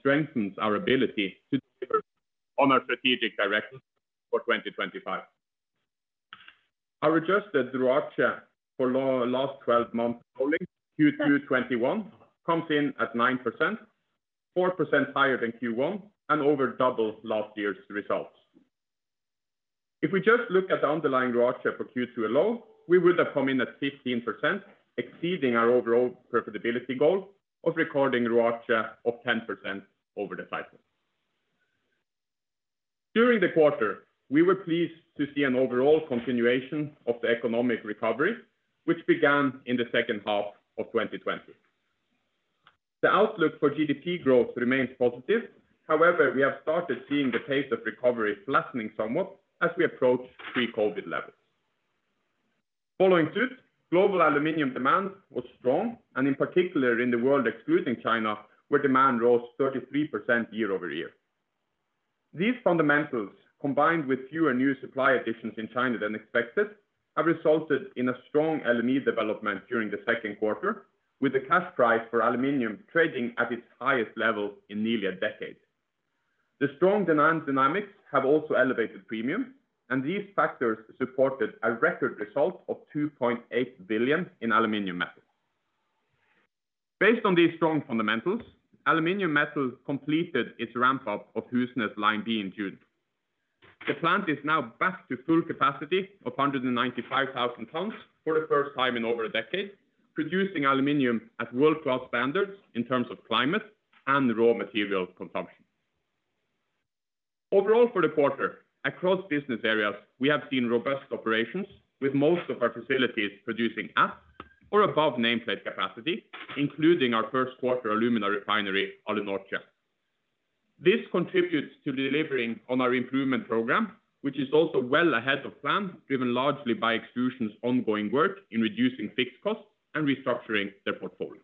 Strengthens our ability to deliver on our strategic direction for 2025. Our adjusted ROACE for last 12 months rolling Q2 2021 comes in at 9%, 4% higher than Q1 and over double last year's results. If we just look at underlying ROACE for Q2 alone, we would have come in at 15%, exceeding our overall profitability goal of recording ROACE of 10% over the cycle. During the quarter, we were pleased to see an overall continuation of the economic recovery, which began in the second half of 2020. The outlook for GDP growth remains positive. However, we have started seeing the pace of recovery flattening somewhat as we approach pre-COVID levels. Following suit, global aluminum demand was strong, and in particular in the world excluding China, where demand rose 33% year-over-year. These fundamentals, combined with fewer new supply additions in China than expected, have resulted in a strong LME development during the second quarter, with the cash price for aluminum trading at its highest level in nearly a decade. These factors supported a record result of 2.8 billion in aluminum metal. Based on these strong fundamentals, aluminum metal completed its ramp-up of Husnes Line B in June. The plant is now back to full capacity of 195,000 tons for the first time in over a decade, producing aluminum at world-class standards in terms of climate and raw material consumption. Overall for the quarter, across business areas, we have seen robust operations with most of our facilities producing at or above nameplate capacity, including our first quarter alumina refinery, Alunorte. This contributes to delivering on our improvement program, which is also well ahead of plan, driven largely by Extrusions' ongoing work in reducing fixed costs and restructuring their portfolio.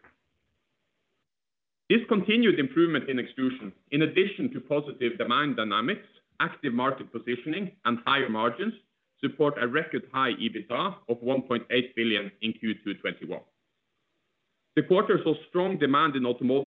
This continued improvement in Extrusions, in addition to positive demand dynamics, active market positioning, and higher margins, support a record high EBITDA of 1.8 billion in Q2 2021. The quarter saw strong demand in automotive.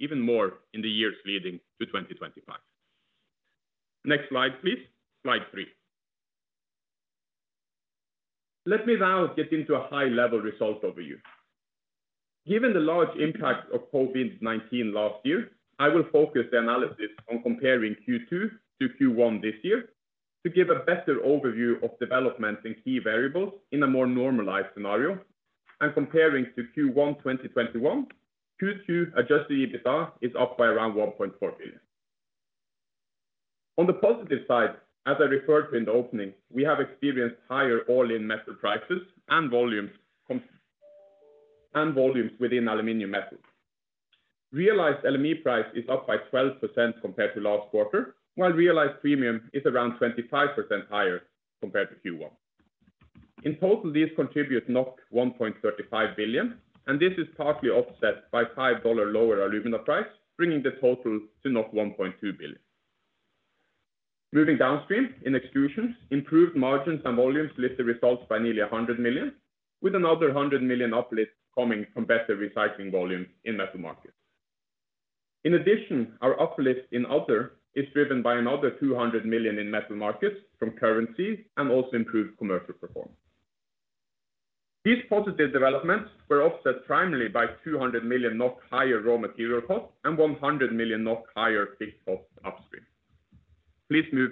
Even more in the years leading to 2025. Next slide, please. Slide three. Let me now get into a high-level result overview. Given the large impact of COVID-19 last year, I will focus the analysis on comparing Q2 to Q1 this year to give a better overview of development in key variables in a more normalized scenario, and comparing to Q1 2021, Q2 adjusted EBITDA is up by around 1.4 billion. On the positive side, as I referred to in the opening, we have experienced higher all-in metal prices and volumes within aluminum metal. Realized LME price is up by 12% compared to last quarter, while realized premium is around 25% higher compared to Q1. This is partly offset by NOK 5 lower alumina price, bringing the total to 1.2 billion. Moving downstream in Extrusions, improved margins and volumes lift the results by nearly 100 million, with another 100 million uplift coming from better recycling volumes in Metal Markets. In addition, our uplift in Other is driven by another 200 million in Metal Markets from currency and also improved commercial performance. These positive developments were offset primarily by 200 million NOK higher raw material cost and 100 million NOK higher fixed cost upstream. Please move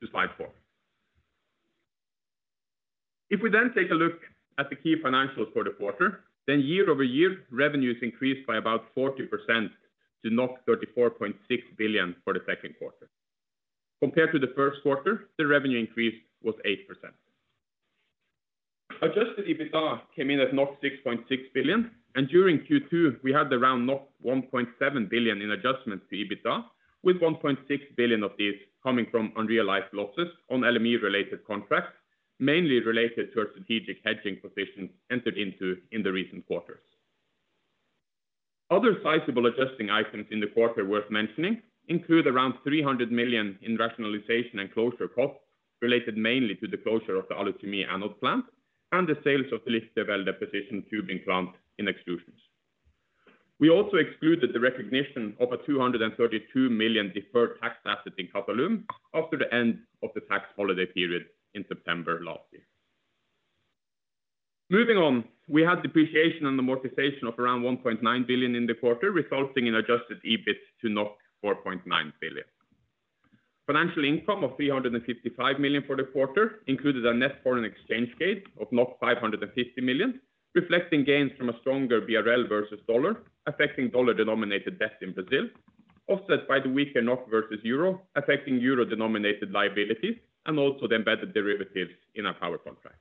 to slide four. If we then take a look at the key financials for the quarter, then year-over-year, revenues increased by about 40% to 34.6 billion for the second quarter. Compared to the first quarter, the revenue increase was 8%. Adjusted EBITDA came in at 6.6 billion, and during Q2, we had around 1.7 billion in adjustments to EBITDA, with 1.6 billion of these coming from unrealized losses on LME related contracts, mainly related to our strategic hedging positions entered into in the recent quarters. Other sizable adjusting items in the quarter worth mentioning include around 300 million in rationalization and closure costs related mainly to the closure of the Alunorte anode plant and the sales of the Hydro Precision Tubing Lichtervelde in Extrusions. We also excluded the recognition of a 232 million deferred tax asset in Qatalum after the end of the tax holiday period in September last year. Moving on, we had depreciation and amortization of around 1.9 billion in the quarter, resulting in adjusted EBIT to 4.9 billion. Financial income of 355 million for the quarter included a net foreign exchange gain of 550 million, reflecting gains from a stronger BRL versus USD, affecting USD-denominated debt in Brazil, offset by the weaker NOK versus EUR, affecting EUR-denominated liabilities, and also the embedded derivatives in our power contract.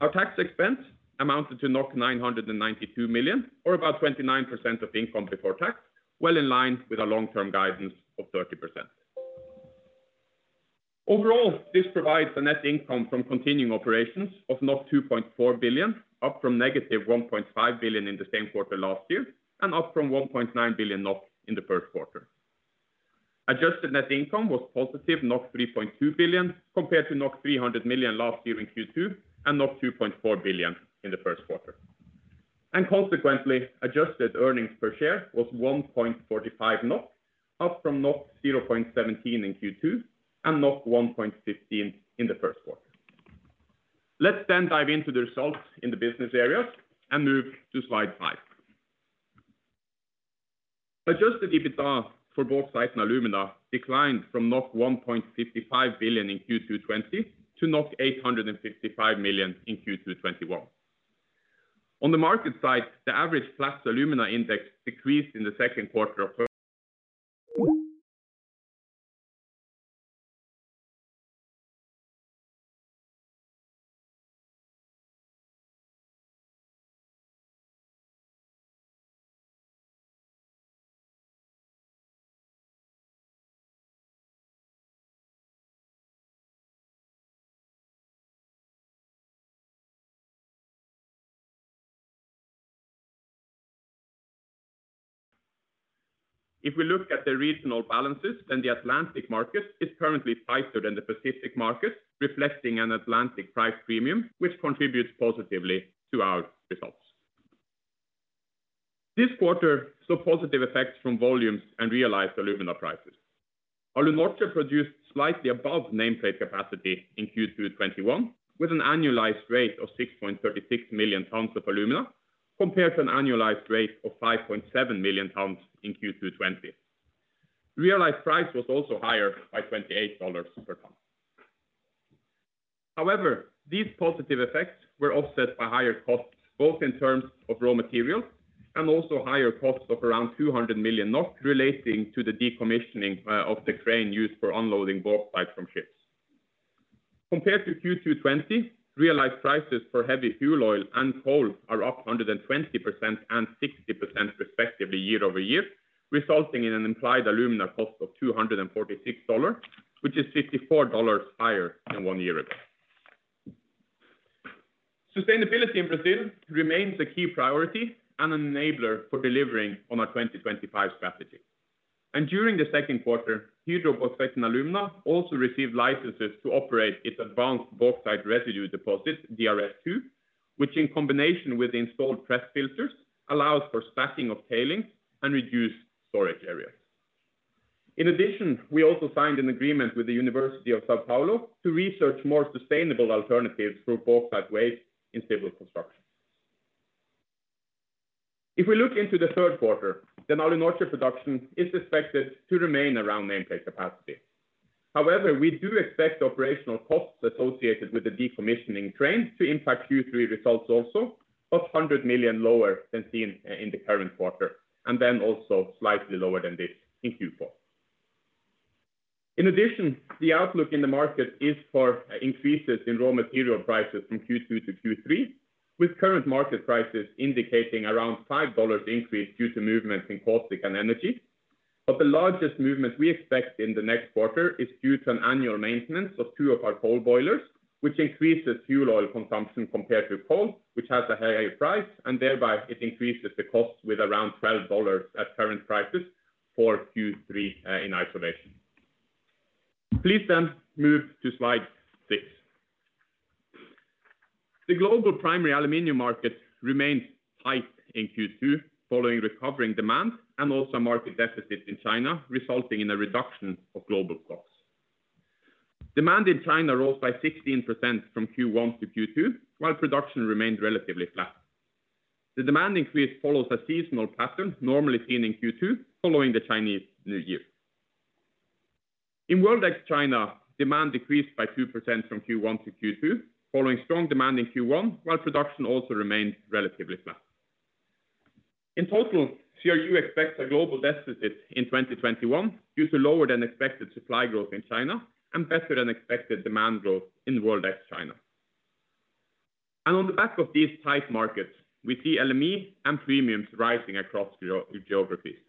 Our tax expense amounted to 992 million, or about 29% of income before tax, well in line with our long-term guidance of 30%. Overall, this provides a net income from continuing operations of 2.4 billion, up from negative 1.5 billion in the same quarter last year, and up from 1.9 billion in the first quarter. Adjusted net income was positive 3.2 billion compared to 300 million last year in Q2, and 2.4 billion in the first quarter. Consequently, adjusted earnings per share was 1.45 NOK, up from 0.17 in Q2 and 1.15 in the first quarter. Let's dive into the results in the business areas and move to slide five. Adjusted EBITDA for bauxite and alumina declined from 1.55 billion in Q2 2020 to 865 million in Q2 2021. On the market side, the average flat alumina index decreased in the second quarter of first. If we look at the regional balances, then the Atlantic market is currently tighter than the Pacific market, reflecting an Atlantic price premium, which contributes positively to our results. This quarter saw positive effects from volumes and realized alumina prices. Alunorte produced slightly above nameplate capacity in Q2 2021, with an annualized rate of 6.36 million tons of alumina, compared to an annualized rate of 5.7 million tons in Q2 2020. Realized price was also higher by NOK 28 per ton. However, these positive effects were offset by higher costs, both in terms of raw materials and also higher costs of around 200 million relating to the decommissioning of the crane used for unloading bauxite from ships. Compared to Q2 2020, realized prices for heavy fuel oil and coal are up 120% and 60% respectively year-over-year, resulting in an implied alumina cost of $246, which is $54 higher than one year ago. Sustainability in Brazil remains a key priority and an enabler for delivering on our 2025 strategy. During the second quarter, Hydro Alunorte also received licenses to operate its advanced bauxite residue deposit, DRS2, which in combination with installed press filters, allows for stacking of tailings and reduced storage areas. In addition, we also signed an agreement with the University of São Paulo to research more sustainable alternatives for bauxite waste in civil construction. If we look into the third quarter, then Alunorte production is expected to remain around nameplate capacity. However, we do expect operational costs associated with the decommissioning crane to impact Q3 results also of 100 million lower than seen in the current quarter, and then also slightly lower than this in Q4. In addition, the outlook in the market is for increases in raw material prices from Q2 to Q3, with current market prices indicating around NOK 5 increase due to movements in caustic and energy. The largest movement we expect in the next quarter is due to an annual maintenance of two of our coal boilers, which increases fuel oil consumption compared to coal, which has a higher price, and thereby it increases the cost with around NOK 12 at current prices for Q3 in isolation. Please then move to slide six. The global primary aluminum market remained tight in Q2 following recovering demand and also a market deficit in China, resulting in a reduction of global stocks. Demand in China rose by 16% from Q1 to Q2, while production remained relatively flat. The demand increase follows a seasonal pattern normally seen in Q2 following the Chinese New Year. In world ex-China, demand decreased by 2% from Q1 to Q2, following strong demand in Q1, while production also remained relatively flat. In total, CRU expects a global deficit in 2021 due to lower than expected supply growth in China and better than expected demand growth in world ex-China. On the back of these tight markets, we see LME and premiums rising across geographies.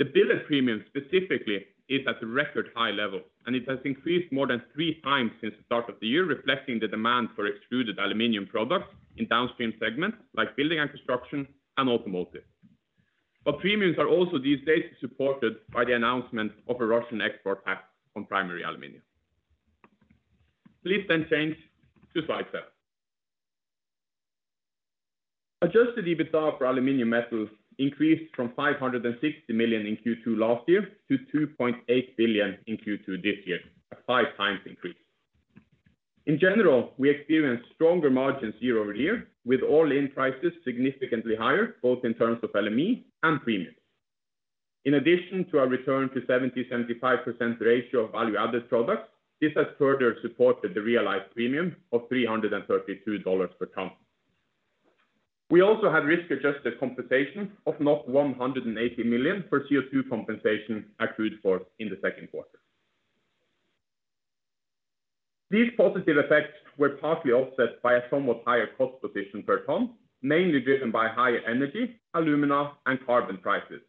The billet of premium specifically is at a record high level, it has increased more than three times since the start of the year, reflecting the demand for extruded aluminum products in downstream segments like building and construction and automotive. Premiums are also these days supported by the announcement of a Russian export tax on primary aluminum. Change to slide seven. Adjusted EBITDA for aluminum metal increased from 560 million in Q2 last year to 2.8 billion in Q2 this year, a five times increase. In general, we experienced stronger margins year-over-year, with all-in prices significantly higher, both in terms of LME and premiums. In addition to our return to 70%-75% ratio of value-added products, this has further supported the realized premium of $332 per ton. We also had risk-adjusted compensation of 180 million for CO2 compensation accrued for in the second quarter. These positive effects were partly offset by a somewhat higher cost position per ton, mainly driven by higher energy, alumina, and carbon prices,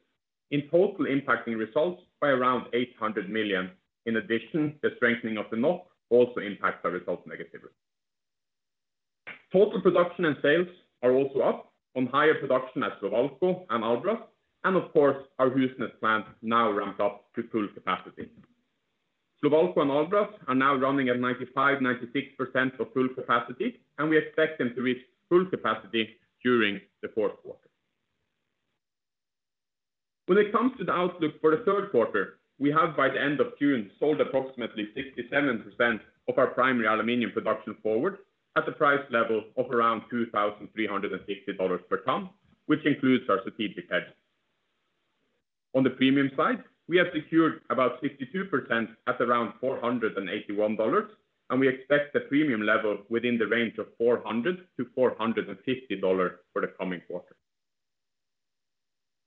in total impacting results by around 800 million. In addition, the strengthening of the NOK also impacts our results negatively. Total production and sales are also up on higher production at Slovalco and Albras, and of course, our Husnes plant now ramped up to full capacity. Slovalco and Albras are now running at 95%-96% of full capacity. We expect them to reach full capacity during the fourth quarter. When it comes to the outlook for the third quarter, we have, by the end of June, sold approximately 67% of our primary aluminum production forward at the price level of around $2,360 per ton, which includes our strategic hedges. On the premium side, we have secured about 52% at around 481 dollars, and we expect the premium level within the range of 400-450 dollars for the coming quarter.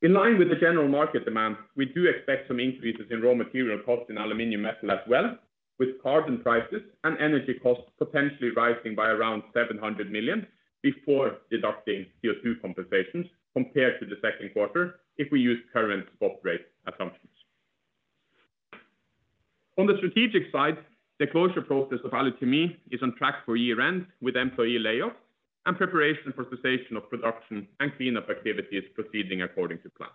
In line with the general market demand, we do expect some increases in raw material costs in aluminum metal as well, with carbon prices and energy costs potentially rising by around 700 million before deducting CO2 compensations compared to the second quarter if we use current spot rate assumptions. On the strategic side, the closure process of Aluchemie is on track for year-end, with employee layoff and preparation for cessation of production and clean-up activities proceeding according to plan.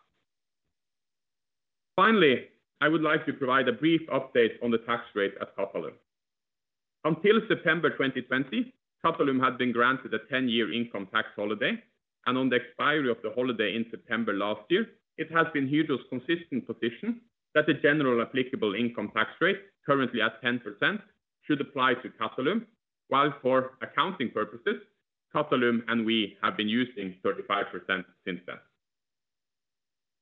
Finally, I would like to provide a brief update on the tax rate at Qatalum. Until September 2020, Qatalum had been granted a 10-year income tax holiday. On the expiry of the holiday in September last year, it has been Hydro's consistent position that the general applicable income tax rate, currently at 10%, should apply to Qatalum, while for accounting purposes, Qatalum and we have been using 35% since then.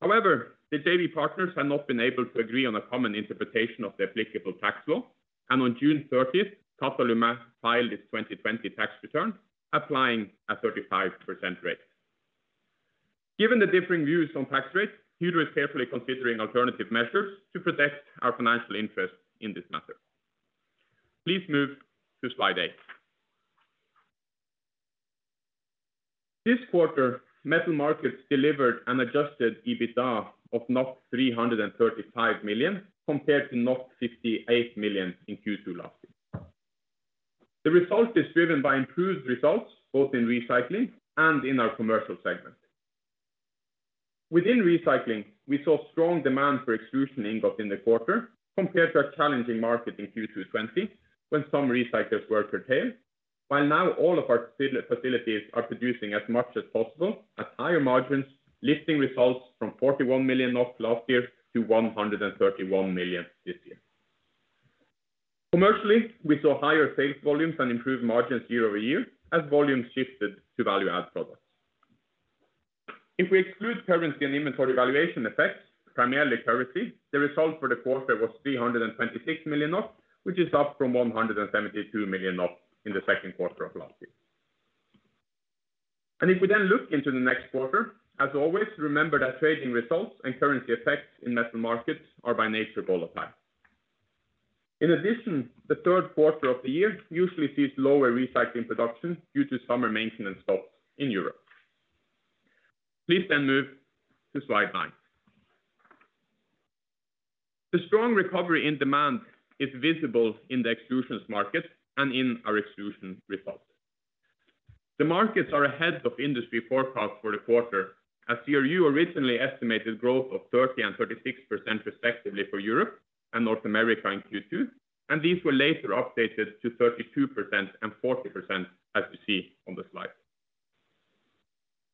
However, the JV partners have not been able to agree on a common interpretation of the applicable tax law. On June 30th, Qatalum filed its 2020 tax return applying a 35% rate. Given the differing views on tax rates, Hydro is carefully considering alternative measures to protect our financial interest in this matter. Please move to slide eight. This quarter, metal markets delivered an adjusted EBITDA of 335 million compared to 58 million in Q2 last year. The result is driven by improved results both in recycling and in our commercial segment. Within recycling, we saw strong demand for extrusion ingot in the quarter compared to a challenging market in Q2 2020 when some recyclers were curtailed, while now all of our facilities are producing as much as possible at higher margins, lifting results from 41 million NOK last year to 131 million this year. Commercially, we saw higher sales volumes and improved margins year-over-year as volumes shifted to value-add products. If we exclude currency and inventory valuation effects, primarily currency, the result for the quarter was 326 million, which is up from 172 million in the second quarter of last year. If we look into the next quarter, as always, remember that trading results and currency effects in metal markets are by nature volatile. In addition, the third quarter of the year usually sees lower recycling production due to summer maintenance stops in Europe. Please move to slide nine. The strong recovery in demand is visible in the extrusions market and in our extrusion results. The markets are ahead of industry forecasts for the quarter, as CRU originally estimated growth of 30% and 36% respectively for Europe and North America in Q2, and these were later updated to 32% and 40% as we see on the slide.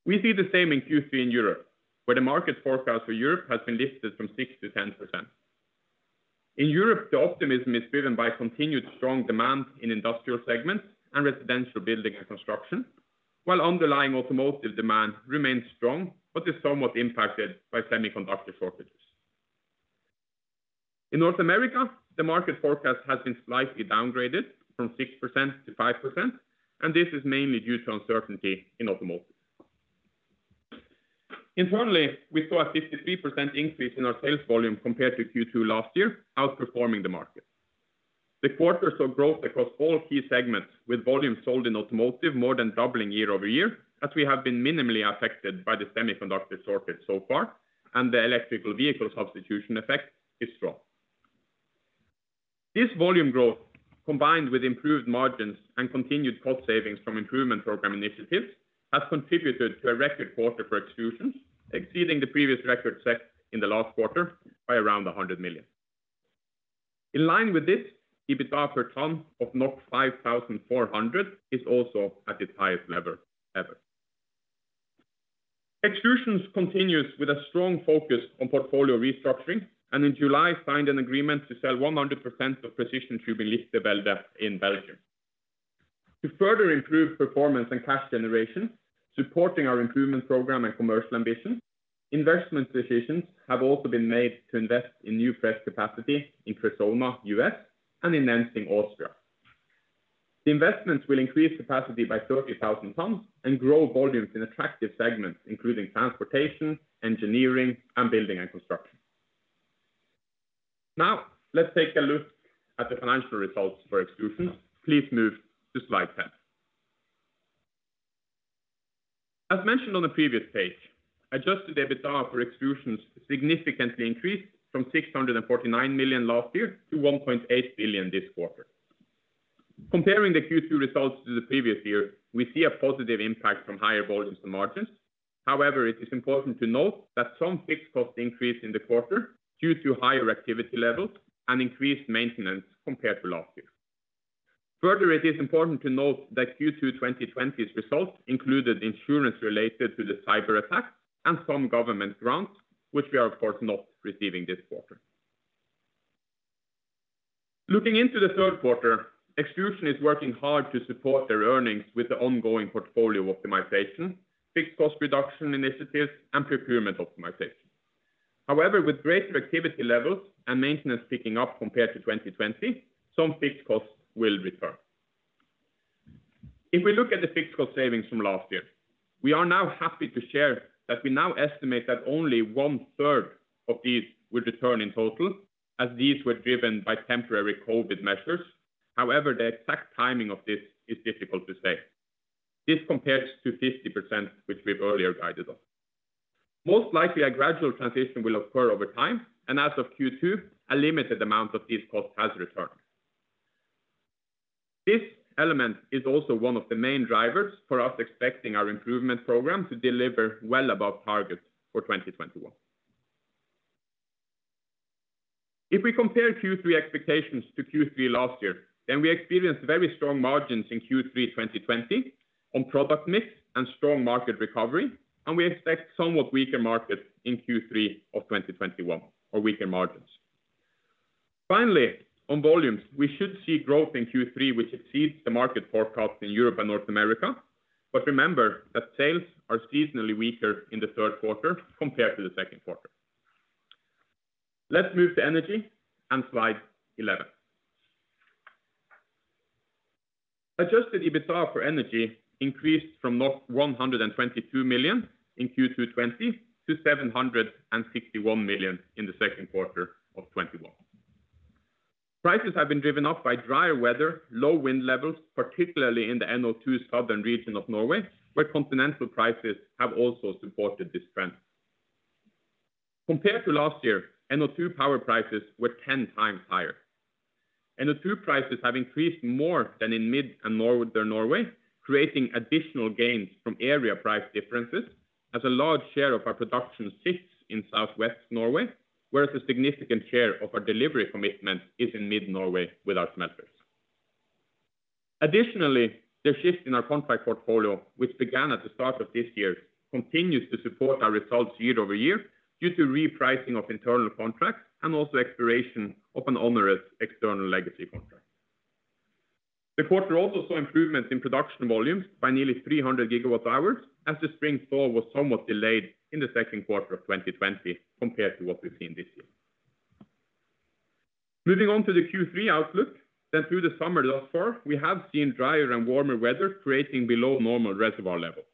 We see the same in Q3 in Europe, where the market forecast for Europe has been lifted from 6% to 10%. In Europe, the optimism is driven by continued strong demand in industrial segments and residential building and construction, while underlying automotive demand remains strong but is somewhat impacted by semiconductor shortages. In North America, the market forecast has been slightly downgraded from 6%-5%. This is mainly due to uncertainty in automotive. Internally, we saw a 53% increase in our sales volume compared to Q2 last year, outperforming the market. The quarter saw growth across all key segments, with volume sold in automotive more than doubling year-over-year, as we have been minimally affected by the semiconductor shortage so far, and the electrical vehicle substitution effect is strong. This volume growth, combined with improved margins and continued cost savings from improvement program initiatives, has contributed to a record quarter for extrusions, exceeding the previous record set in the last quarter by around 100 million. In line with this, EBITDA per tonne of 5,400 is also at its highest level ever. Extrusions continues with a strong focus on portfolio restructuring, and in July, signed an agreement to sell 100% of Hydro Precision Tubing Lichtervelde in Belgium. To further improve performance and cash generation, supporting our improvement program and commercial ambition, investment decisions have also been made to invest in new press capacity in Cressona, U.S., and in Nenzing, Austria. The investments will increase capacity by 30,000 tons and grow volumes in attractive segments including transportation, engineering, and building and construction. Let's take a look at the financial results for Extrusions. Please move to slide 10. As mentioned on the previous page, adjusted EBITDA for Extrusions significantly increased from 649 million last year to 1.8 billion this quarter. Comparing the Q2 results to the previous year, we see a positive impact from higher volumes and margins. However, it is important to note that some fixed cost increased in the quarter due to higher activity levels and increased maintenance compared to last year. Further, it is important to note that Q2 2020's results included insurance related to the cyber attack and some government grants, which we are, of course, not receiving this quarter. Looking into the third quarter, Extrusion is working hard to support their earnings with the ongoing portfolio optimization, fixed cost reduction initiatives, and procurement optimization. However, with greater activity levels and maintenance picking up compared to 2020, some fixed costs will return. If we look at the fixed cost savings from last year, we are now happy to share that we now estimate that only one-third of these will return in total, as these were driven by temporary COVID measures. However, the exact timing of this is difficult to say. This compares to 50%, which we've earlier guided on. Most likely, a gradual transition will occur over time, and as of Q2, a limited amount of these costs has returned. This element is also one of the main drivers for us expecting our improvement program to deliver well above target for 2021. If we compare Q3 expectations to Q3 last year, then we experienced very strong margins in Q3 2020 on product mix and strong market recovery, and we expect somewhat weaker markets in Q3 of 2021, or weaker margins. Finally, on volumes, we should see growth in Q3, which exceeds the market forecast in Europe and North America. Remember that sales are seasonally weaker in the third quarter compared to the second quarter. Let's move to Energy on slide 11. Adjusted EBITDA for Energy increased from 122 million in Q2 '20 to 761 million in the second quarter of '21. Prices have been driven up by drier weather, low wind levels, particularly in the NO2 southern region of Norway, where continental prices have also supported this trend. Compared to last year, NO2 power prices were 10 times higher. NO2 prices have increased more than in mid and northern Norway, creating additional gains from area price differences, as a large share of our production sits in southwest Norway, whereas a significant share of our delivery commitment is in mid-Norway with our smelters. Additionally, the shift in our contract portfolio, which began at the start of this year, continues to support our results year-over-year due to repricing of internal contracts and also expiration of an onerous external legacy contract. The quarter also saw improvements in production volumes by nearly 300 GWh, as the spring thaw was somewhat delayed in Q2 2020 compared to what we've seen this year. Moving on to the Q3 outlook, then through the summer thus far, we have seen drier and warmer weather creating below normal reservoir levels.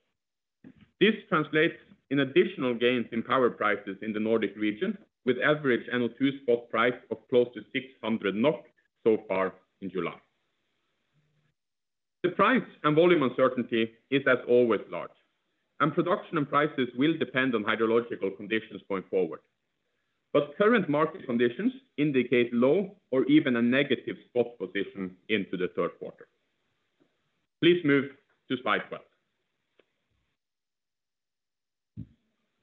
This translates in additional gains in power prices in the Nordic region, with average NO2 spot price of close to 600 NOK so far in July. The price and volume uncertainty is, as always, large, and production and prices will depend on hydrological conditions going forward. Current market conditions indicate low or even a negative spot position into Q3. Please move to slide 12.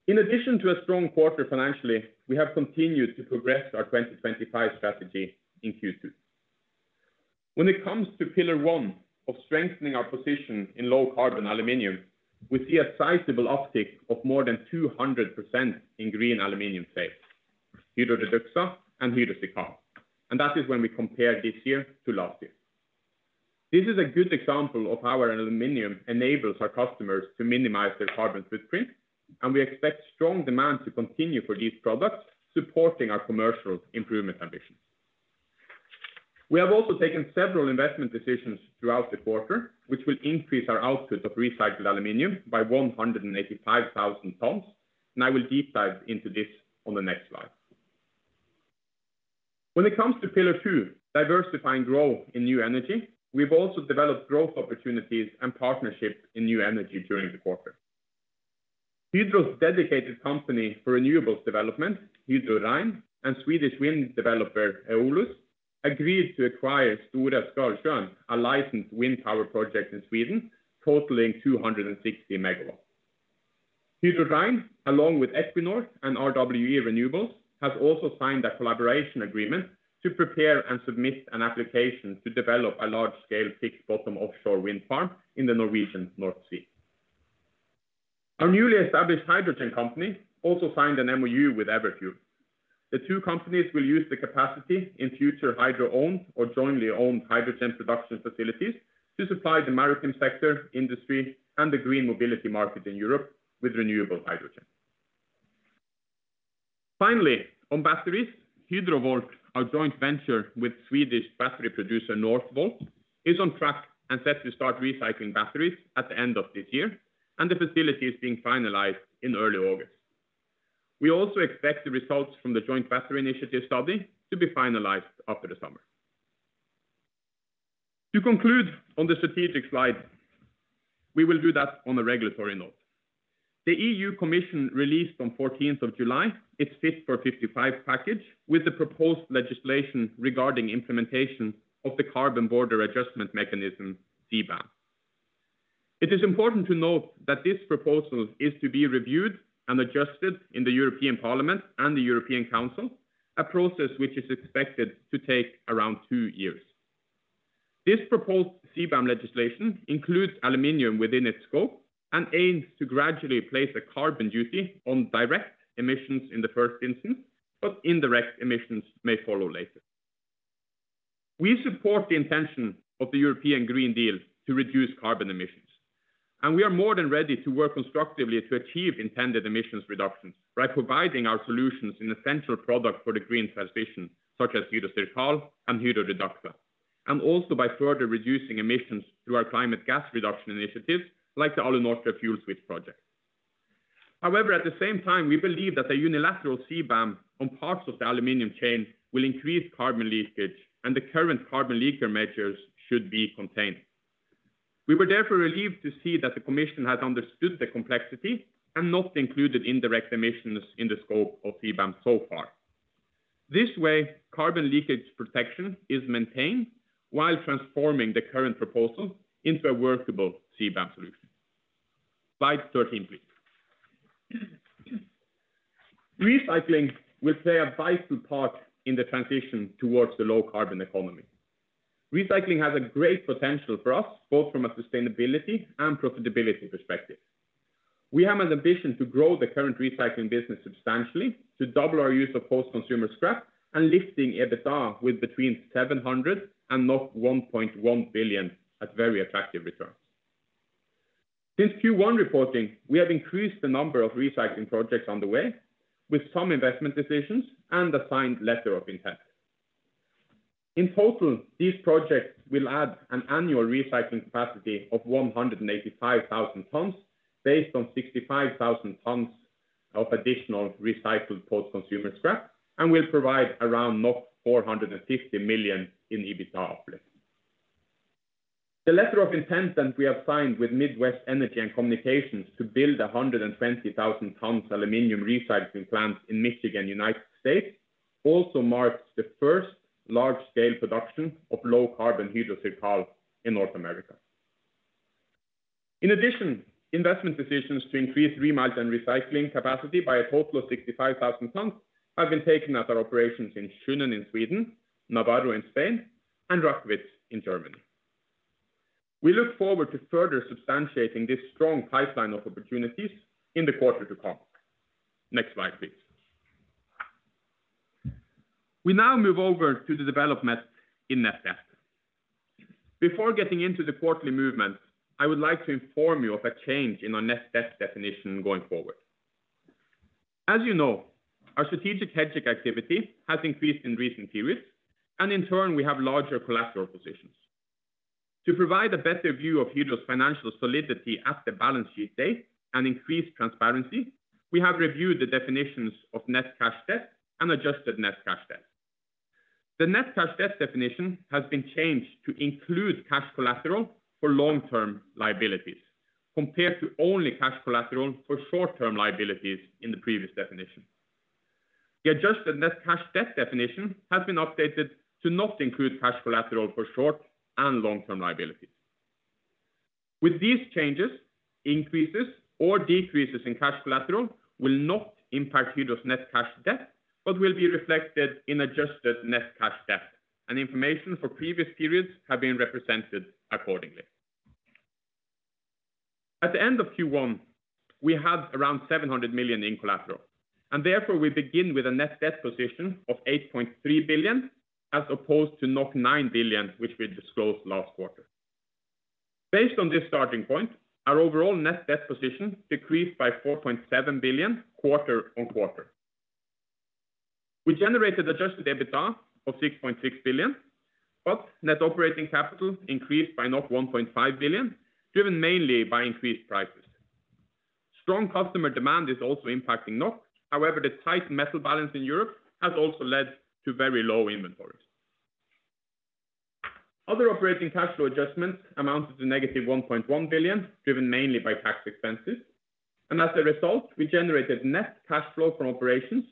In addition to a strong quarter financially, we have continued to progress our 2025 strategy in Q2. When it comes to pillar one of strengthening our position in low-carbon aluminum, we see a sizable uptick of more than 200% in green aluminum sales, Hydro REDUXA and Hydro CIRCAL. That is when we compare this year to last year. This is a good example of how our aluminum enables our customers to minimize their carbon footprint. We expect strong demand to continue for these products, supporting our commercial improvement ambitions. We have also taken several investment decisions throughout the quarter, which will increase our output of recycled aluminum by 185,000 tons. I will deep dive into this on the next slide. When it comes to pillar two, diversify and grow in new energy, we've also developed growth opportunities and partnerships in new energy during the quarter. Hydro's dedicated company for renewables development, Hydro Rein and Swedish wind developer Eolus agreed to acquire Stora Skalsjön, a licensed wind power project in Sweden totaling 260 megawatts. Hydro Rein, along with Equinor and RWE Renewables, has also signed a collaboration agreement to prepare and submit an application to develop a large-scale fixed-bottom offshore wind farm in the Norwegian North Sea. Our newly established hydrogen company also signed an MoU with Everfuel. The two companies will use the capacity in future Hydro-owned or jointly owned hydrogen production facilities to supply the maritime sector, industry, and the green mobility market in Europe with renewable hydrogen. Finally, on batteries, Hydrovolt, our joint venture with Swedish battery producer Northvolt, is on track and set to start recycling batteries at the end of this year, and the facility is being finalized in early August. We also expect the results from the joint battery initiative study to be finalized after the summer. To conclude on the strategic slide, we will do that on a regulatory note. The European Commission released on 14th of July its Fit for 55 package with the proposed legislation regarding implementation of the Carbon Border Adjustment Mechanism, CBAM. It is important to note that this proposal is to be reviewed and adjusted in the European Parliament and the European Council, a process which is expected to take around two years. This proposed CBAM legislation includes aluminum within its scope and aims to gradually place a carbon duty on direct emissions in the first instance, but indirect emissions may follow later. We support the intention of the European Green Deal to reduce carbon emissions. We are more than ready to work constructively to achieve intended emissions reductions by providing our solutions in essential products for the green transition, such as Hydro CIRCAL and Hydro REDUXA, and also by further reducing emissions through our climate gas reduction initiatives like the Alunorte fuel switch project. However, at the same time, we believe that the unilateral CBAM on parts of the aluminum chain will increase carbon leakage. The current carbon leakage measures should be contained. We were therefore relieved to see that the Commission has understood the complexity and not included indirect emissions in the scope of CBAM so far. This way, carbon leakage protection is maintained while transforming the current proposal into a workable CBAM solution. Slide 13, please. Recycling will play a vital part in the transition towards the low carbon economy. Recycling has a great potential for us, both from a sustainability and profitability perspective. We have an ambition to grow the current recycling business substantially to double our use of post-consumer scrap and lifting EBITDA with between 700 million and 1.1 billion at very attractive returns. Since Q1 reporting, we have increased the number of recycling projects on the way with some investment decisions and a signed letter of intent. In total, these projects will add an annual recycling capacity of 185,000 tons based on 65,000 tons of additional recycled post-consumer scrap and will provide around 450 million in EBITDA uplift. The letter of intent that we have signed with Midwest Energy and Communications to build 120,000 tons aluminum recycling plant in Michigan, U.S., also marks the first large-scale production of low carbon Hydro CIRCAL in North America. In addition, investment decisions to increase remelt and recycling capacity by a total of 65,000 tons have been taken at our operations in Sjunnen in Sweden, Navarra in Spain, and Rackwitz in Germany. We look forward to further substantiating this strong pipeline of opportunities in the quarter to come. Next slide, please. We now move over to the development in net debt. Before getting into the quarterly movement, I would like to inform you of a change in our net debt definition going forward. As you know, our strategic hedging activity has increased in recent periods, in turn, we have larger collateral positions. To provide a better view of Hydro's financial solidity at the balance sheet date and increase transparency, we have reviewed the definitions of net cash debt and adjusted net cash debt. The net cash debt definition has been changed to include cash collateral for long-term liabilities, compared to only cash collateral for short-term liabilities in the previous definition. The adjusted net cash debt definition has been updated to not include cash collateral for short- and long-term liabilities. With these changes, increases or decreases in cash collateral will not impact Hydro's net cash debt, but will be reflected in adjusted net cash debt. Information for previous periods have been represented accordingly. At the end of Q1, we had around 700 million in collateral. Therefore, we begin with a net debt position of 8.3 billion, as opposed to 9 billion, which we disclosed last quarter. Based on this starting point, our overall net debt position decreased by 4.7 billion quarter on quarter. We generated adjusted EBITDA of 6.6 billion. Net operating capital increased by 1.5 billion, driven mainly by increased prices. Strong customer demand is also impacting NOK. The tight metal balance in Europe has also led to very low inventories. Other operating cash flow adjustments amounted to negative 1.1 billion, driven mainly by tax expenses. As a result, we generated net cash flow from operations,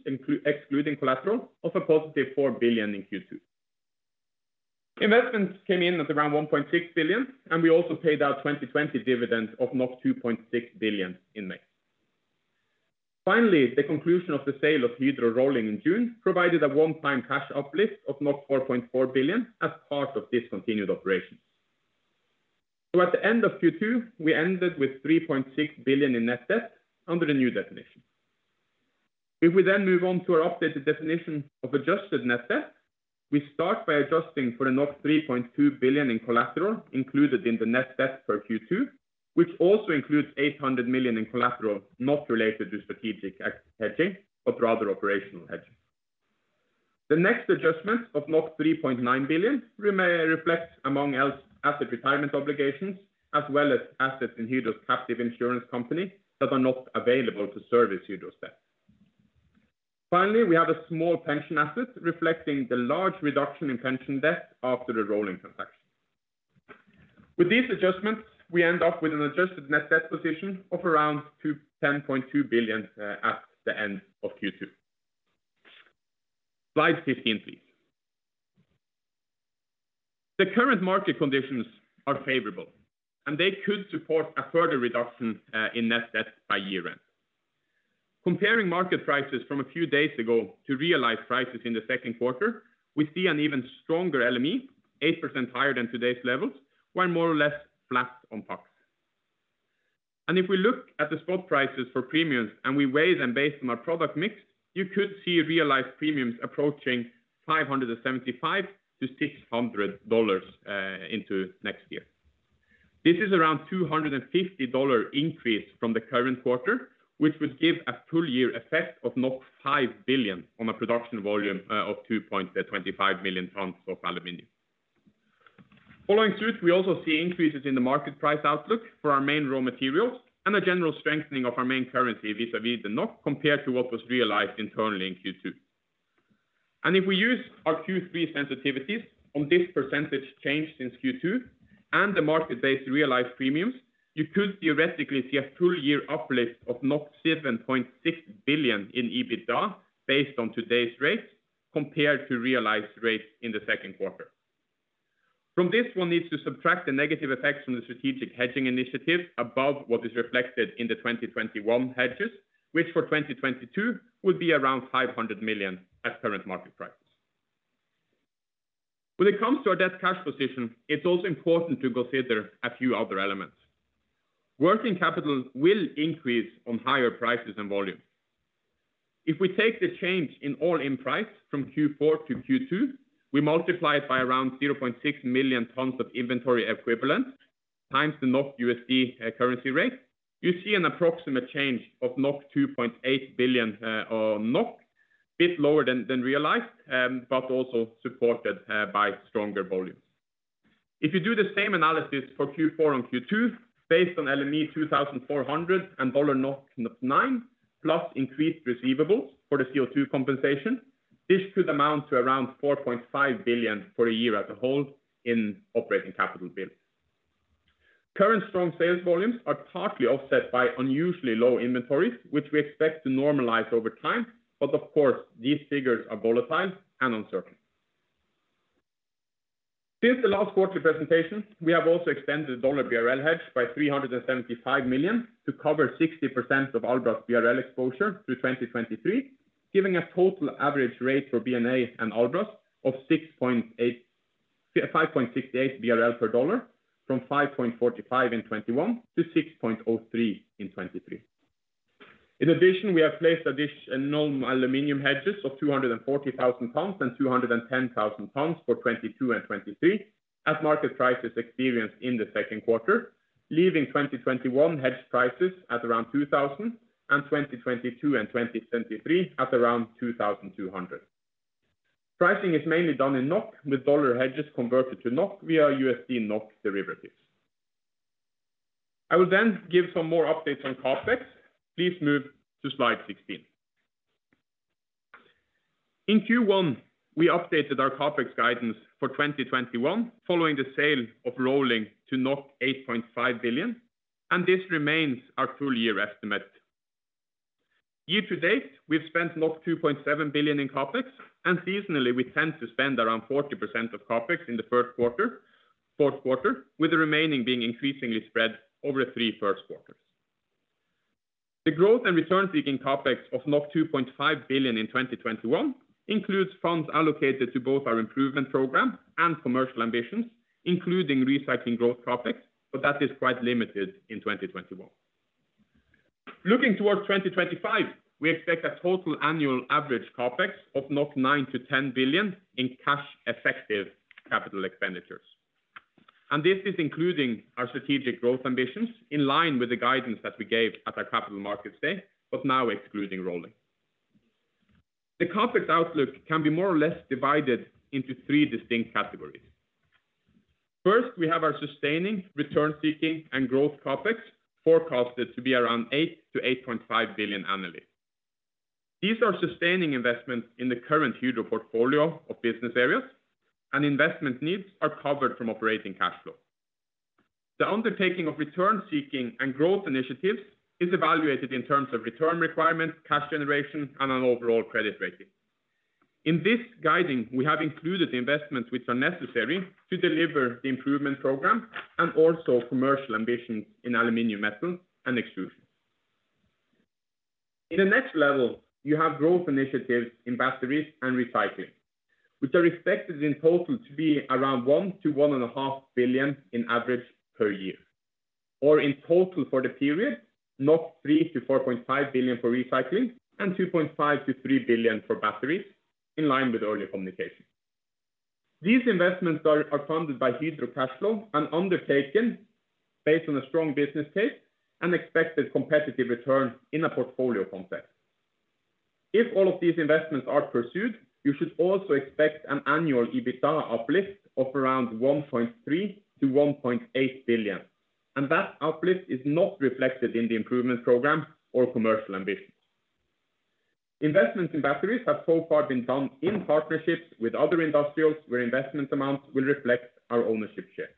excluding collateral, of a positive 4 billion in Q2. Investments came in at around 1.6 billion. We also paid out 2020 dividends of 2.6 billion in May. The conclusion of the sale of Hydro Rolling in June provided a one-time cash uplift of 4.4 billion as part of discontinued operations. At the end of Q2, we ended with 3.6 billion in net debt under the new definition. If we then move on to our updated definition of adjusted net debt. We start by adjusting for 3.2 billion in collateral included in the net debt for Q2, which also includes 800 million in collateral not related to strategic hedging, but rather operational hedging. The next adjustment of 3.9 billion reflects among else asset retirement obligations, as well as assets in Hydro's captive insurance company that are not available to service Hydro's debt. Finally, we have a small pension asset reflecting the large reduction in pension debt after the Rolling transaction. With these adjustments, we end up with an adjusted net debt position of around 10.2 billion at the end of Q2. Slide 15, please. The current market conditions are favorable, and they could support a further reduction in net debt by year-end. Comparing market prices from a few days ago to realized prices in the second quarter, we see an even stronger LME, 8% higher than today's levels, while more or less flat on Fox. If we look at the spot prices for premiums and we weigh them based on our product mix, you could see realized premiums approaching $575-$600 into next year. This is around $250 increase from the current quarter, which would give a full year effect of 5 billion on a production volume of 2.25 million tonnes of aluminum. Following suit, we also see increases in the market price outlook for our main raw materials and a general strengthening of our main currency vis-à-vis the NOK compared to what was realized internally in Q2. If we use our Q3 sensitivities on this percentage change since Q2 and the market-based realized premiums, you could theoretically see a full-year uplift of 7.6 billion in EBITDA based on today's rates compared to realized rates in the second quarter. From this one needs to subtract the negative effects from the strategic hedging initiative above what is reflected in the 2021 hedges, which for 2022 would be around 500 million at current market prices. When it comes to our debt cash position, it is also important to consider a few other elements. Working capital will increase on higher prices and volume. If we take the change in all-in price from Q4 to Q2, we multiply it by around 0.6 million tons of inventory equivalent, times the NOK/USD currency rate, you see an approximate change of 2.8 billion or bit lower than realized, but also supported by stronger volumes. If you do the same analysis for Q4 and Q2, based on LME 2,400 and dollar 9, plus increased receivables for the CO2 compensation, this could amount to around 4.5 billion for a year as a whole in operating capital build. Current strong sales volumes are partly offset by unusually low inventories, which we expect to normalize over time. Of course, these figures are volatile and uncertain. Since the last quarterly presentation, we have also extended USD BRL hedge by 375 million to cover 60% of Albras BRL exposure through 2023, giving a total average rate for B&A and Albras of 5.68 BRL per USD from BRL 5.45 in 2021 to 6.03 in 2023. In addition, we have placed additional aluminum hedges of 240,000 tonnes and 210,000 tonnes for 2022 and 2023 as market prices experienced in the second quarter, leaving 2021 hedge prices at around 2,000 and 2022 and 2023 at around 2,200. Pricing is mainly done in NOK, with USD hedges converted to NOK via USD/NOK derivatives. I will give some more updates on CapEx. Please move to slide 16. In Q1, we updated our CapEx guidance for 2021 following the sale of Rolling to 8.5 billion, this remains our full year estimate. Year to date, we've spent 2.7 billion in CapEx. Seasonally, we tend to spend around 40% of CapEx in the first quarter, fourth quarter, with the remaining being increasingly spread over three first quarters. The growth and return-seeking CapEx of 2.5 billion in 2021 includes funds allocated to both our improvement program and commercial ambitions, including recycling growth CapEx. That is quite limited in 2021. Looking towards 2025, we expect a total annual average CapEx of 9 billion-10 billion in cash effective capital expenditures. This is including our strategic growth ambitions in line with the guidance that we gave at our Investor Day, now excluding Rolling. The CapEx outlook can be more or less divided into three distinct categories. First, we have our sustaining, return seeking, and growth CapEx forecasted to be around 8 billion-8.5 billion annually. These are sustaining investments in the current Hydro portfolio of business areas, and investment needs are covered from operating cash flow. The undertaking of return seeking and growth initiatives is evaluated in terms of return requirements, cash generation, and an overall credit rating. In this guiding, we have included the investments which are necessary to deliver the improvement program and also commercial ambitions in aluminum metal and extrusion. In the next level, you have growth initiatives in batteries and recycling, which are expected in total to be around 1 billion to 1.5 billion in average per year. In total for the period, 3 billion to 4.5 billion for recycling and 2.5 billion to 3 billion for batteries, in line with earlier communication. These investments are funded by Hydro cash flow and undertaken based on a strong business case and expected competitive return in a portfolio context. If all of these investments are pursued, you should also expect an annual EBITDA uplift of around 1.3 billion-1.8 billion, that uplift is not reflected in the improvement program or commercial ambitions. Investments in batteries have so far been done in partnerships with other industrials, where investment amounts will reflect our ownership share.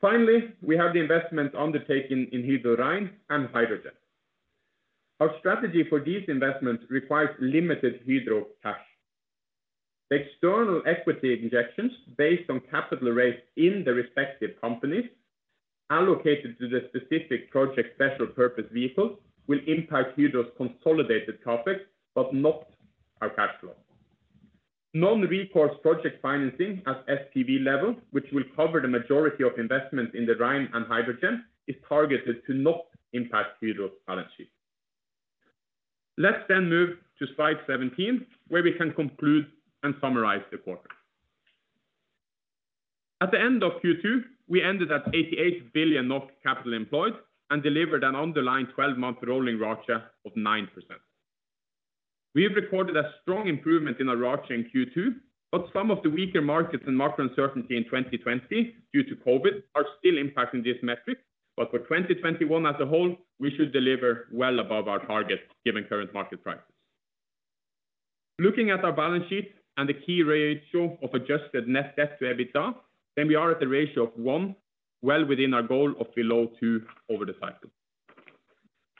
Finally, we have the investment undertaking in Hydro REIN and hydrogen. Our strategy for these investments requires limited Hydro cash. External equity injections based on capital raised in the respective companies allocated to the specific project special purpose vehicle will impact Hydro's consolidated CapEx, but not our cash flow. Non-recourse project financing at SPV level, which will cover the majority of investment in the REIN and hydrogen, is targeted to not impact Hydro's balance sheet. Let's move to slide 17, where we can conclude and summarize the quarter. At the end of Q2, we ended at 88 billion capital employed and delivered an underlying 12-month rolling ROACE of 9%. Some of the weaker markets and market uncertainty in 2020 due to COVID are still impacting this metric. For 2021 as a whole, we should deliver well above our target given current market prices. Looking at our balance sheet and the key ratio of adjusted net debt to EBITDA, then we are at the ratio of one, well within our goal of below two over the cycle.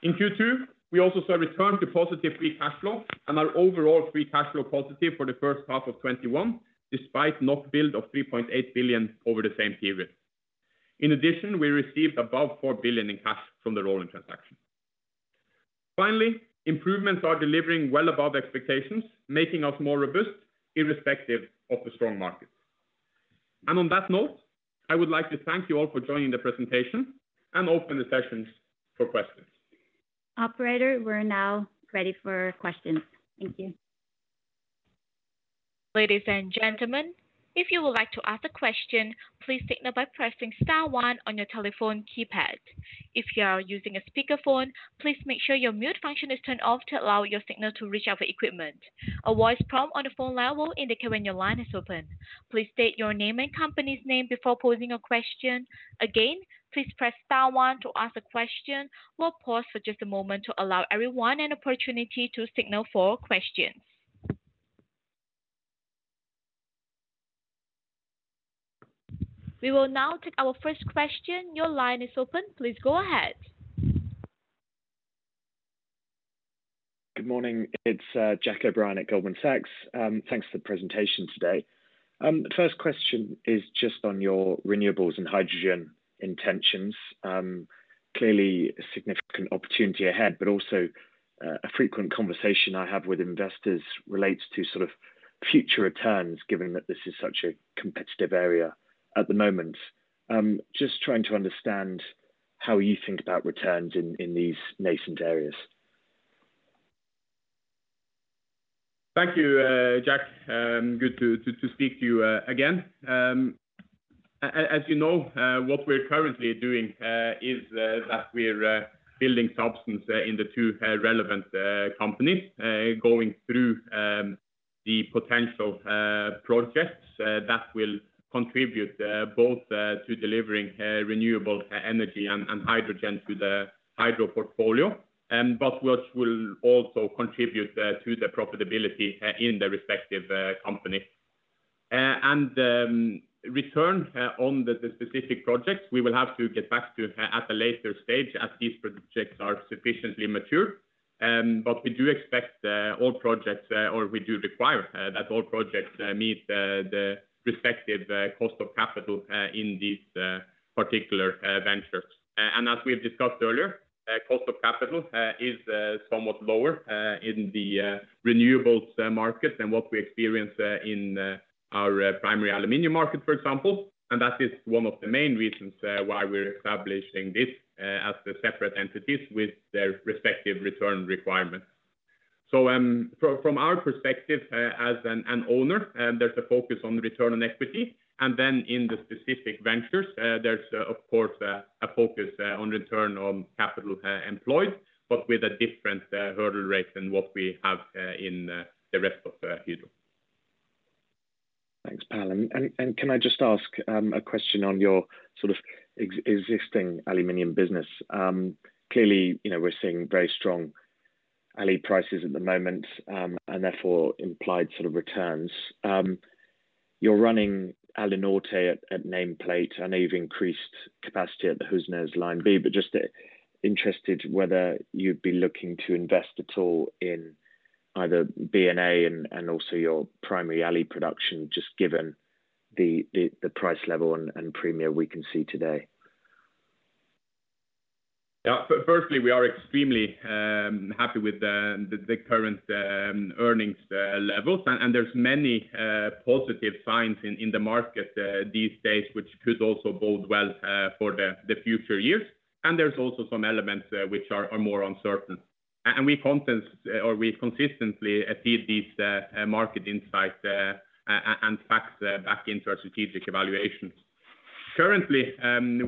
In Q2, we also saw a return to positive free cash flow and are overall free cash flow positive for the first half of 2021, despite NOK build of 3.8 billion over the same period. In addition, we received above 4 billion in cash from the Rolling transaction. Finally, improvements are delivering well above expectations, making us more robust irrespective of the strong market. On that note, I would like to thank you all for joining the presentation and open the sessions for questions. Operator, we're now ready for questions. Thank you. Ladies and gentlemen, if you would like to ask a question, please signal by pressing star one on your telephone keypad. If you are using a speakerphone, please make sure your mute function is turned off to allow your signal to reach our equipment. A voice prompt on the phone line will indicate when your line is open. Please state your name and company's name before posing a question. Again, please press star one to ask a question. We'll pause for just a moment to allow everyone an opportunity to signal for questions. We will now take our first question. Your line is open. Please go ahead. Good morning. It's Jack O'Brien at Goldman Sachs. Thanks for the presentation today. First question is just on your renewables and hydrogen intentions. Clearly a significant opportunity ahead, but also a frequent conversation I have with investors relates to future returns, given that this is such a competitive area at the moment. Just trying to understand how you think about returns in these nascent areas. Thank you, Jack. Good to speak to you again. As you know, what we're currently doing is that we're building substance in the two relevant companies, going through the potential projects that will contribute both to delivering renewable energy and hydrogen to the Hydro portfolio, but which will also contribute to the profitability in the respective company. Return on the specific projects, we will have to get back to at a later stage as these projects are sufficiently mature. We do expect all projects, or we do require that all projects meet the respective cost of capital in these particular ventures. As we have discussed earlier, cost of capital is somewhat lower in the renewables market than what we experience in our primary aluminum market, for example. That is one of the main reasons why we're establishing this as the separate entities with their respective return requirements. From our perspective as an owner, there's a focus on return on equity. In the specific ventures, there's of course, a focus on return on capital employed, but with a different hurdle rate than what we have in the rest of Hydro. Thanks, Pål. Can I just ask a question on your existing aluminum business? Clearly, we're seeing very strong ali prices at the moment, and therefore implied returns. You're running Alunorte at name plate. I know you've increased capacity at the Husnes Line B, just interested whether you'd be looking to invest at all in either Alunorte and also your primary ali production, just given the price level and premium we can see today. Yeah. Firstly, we are extremely happy with the current earnings levels, and there's many positive signs in the market these days, which could also bode well for the future years. There's also some elements which are more uncertain. We consistently feed these market insights and facts back into our strategic evaluations. Currently,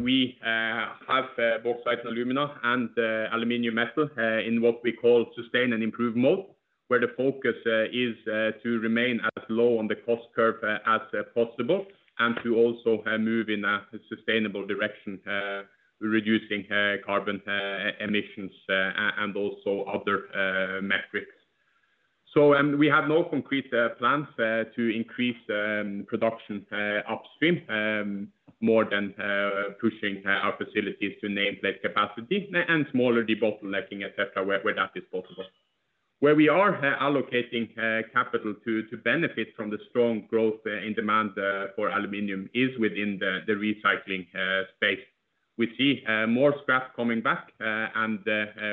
we have bauxite and alumina and aluminum metal in what we call sustain and improve mode, where the focus is to remain as low on the cost curve as possible and to also move in a sustainable direction, reducing carbon emissions and also other metrics. We have no concrete plans to increase production upstream, more than pushing our facilities to nameplate capacity and smaller debottlenecking, et cetera, where that is possible. Where we are allocating capital to benefit from the strong growth in demand for aluminum is within the recycling space. We see more scrap coming back, and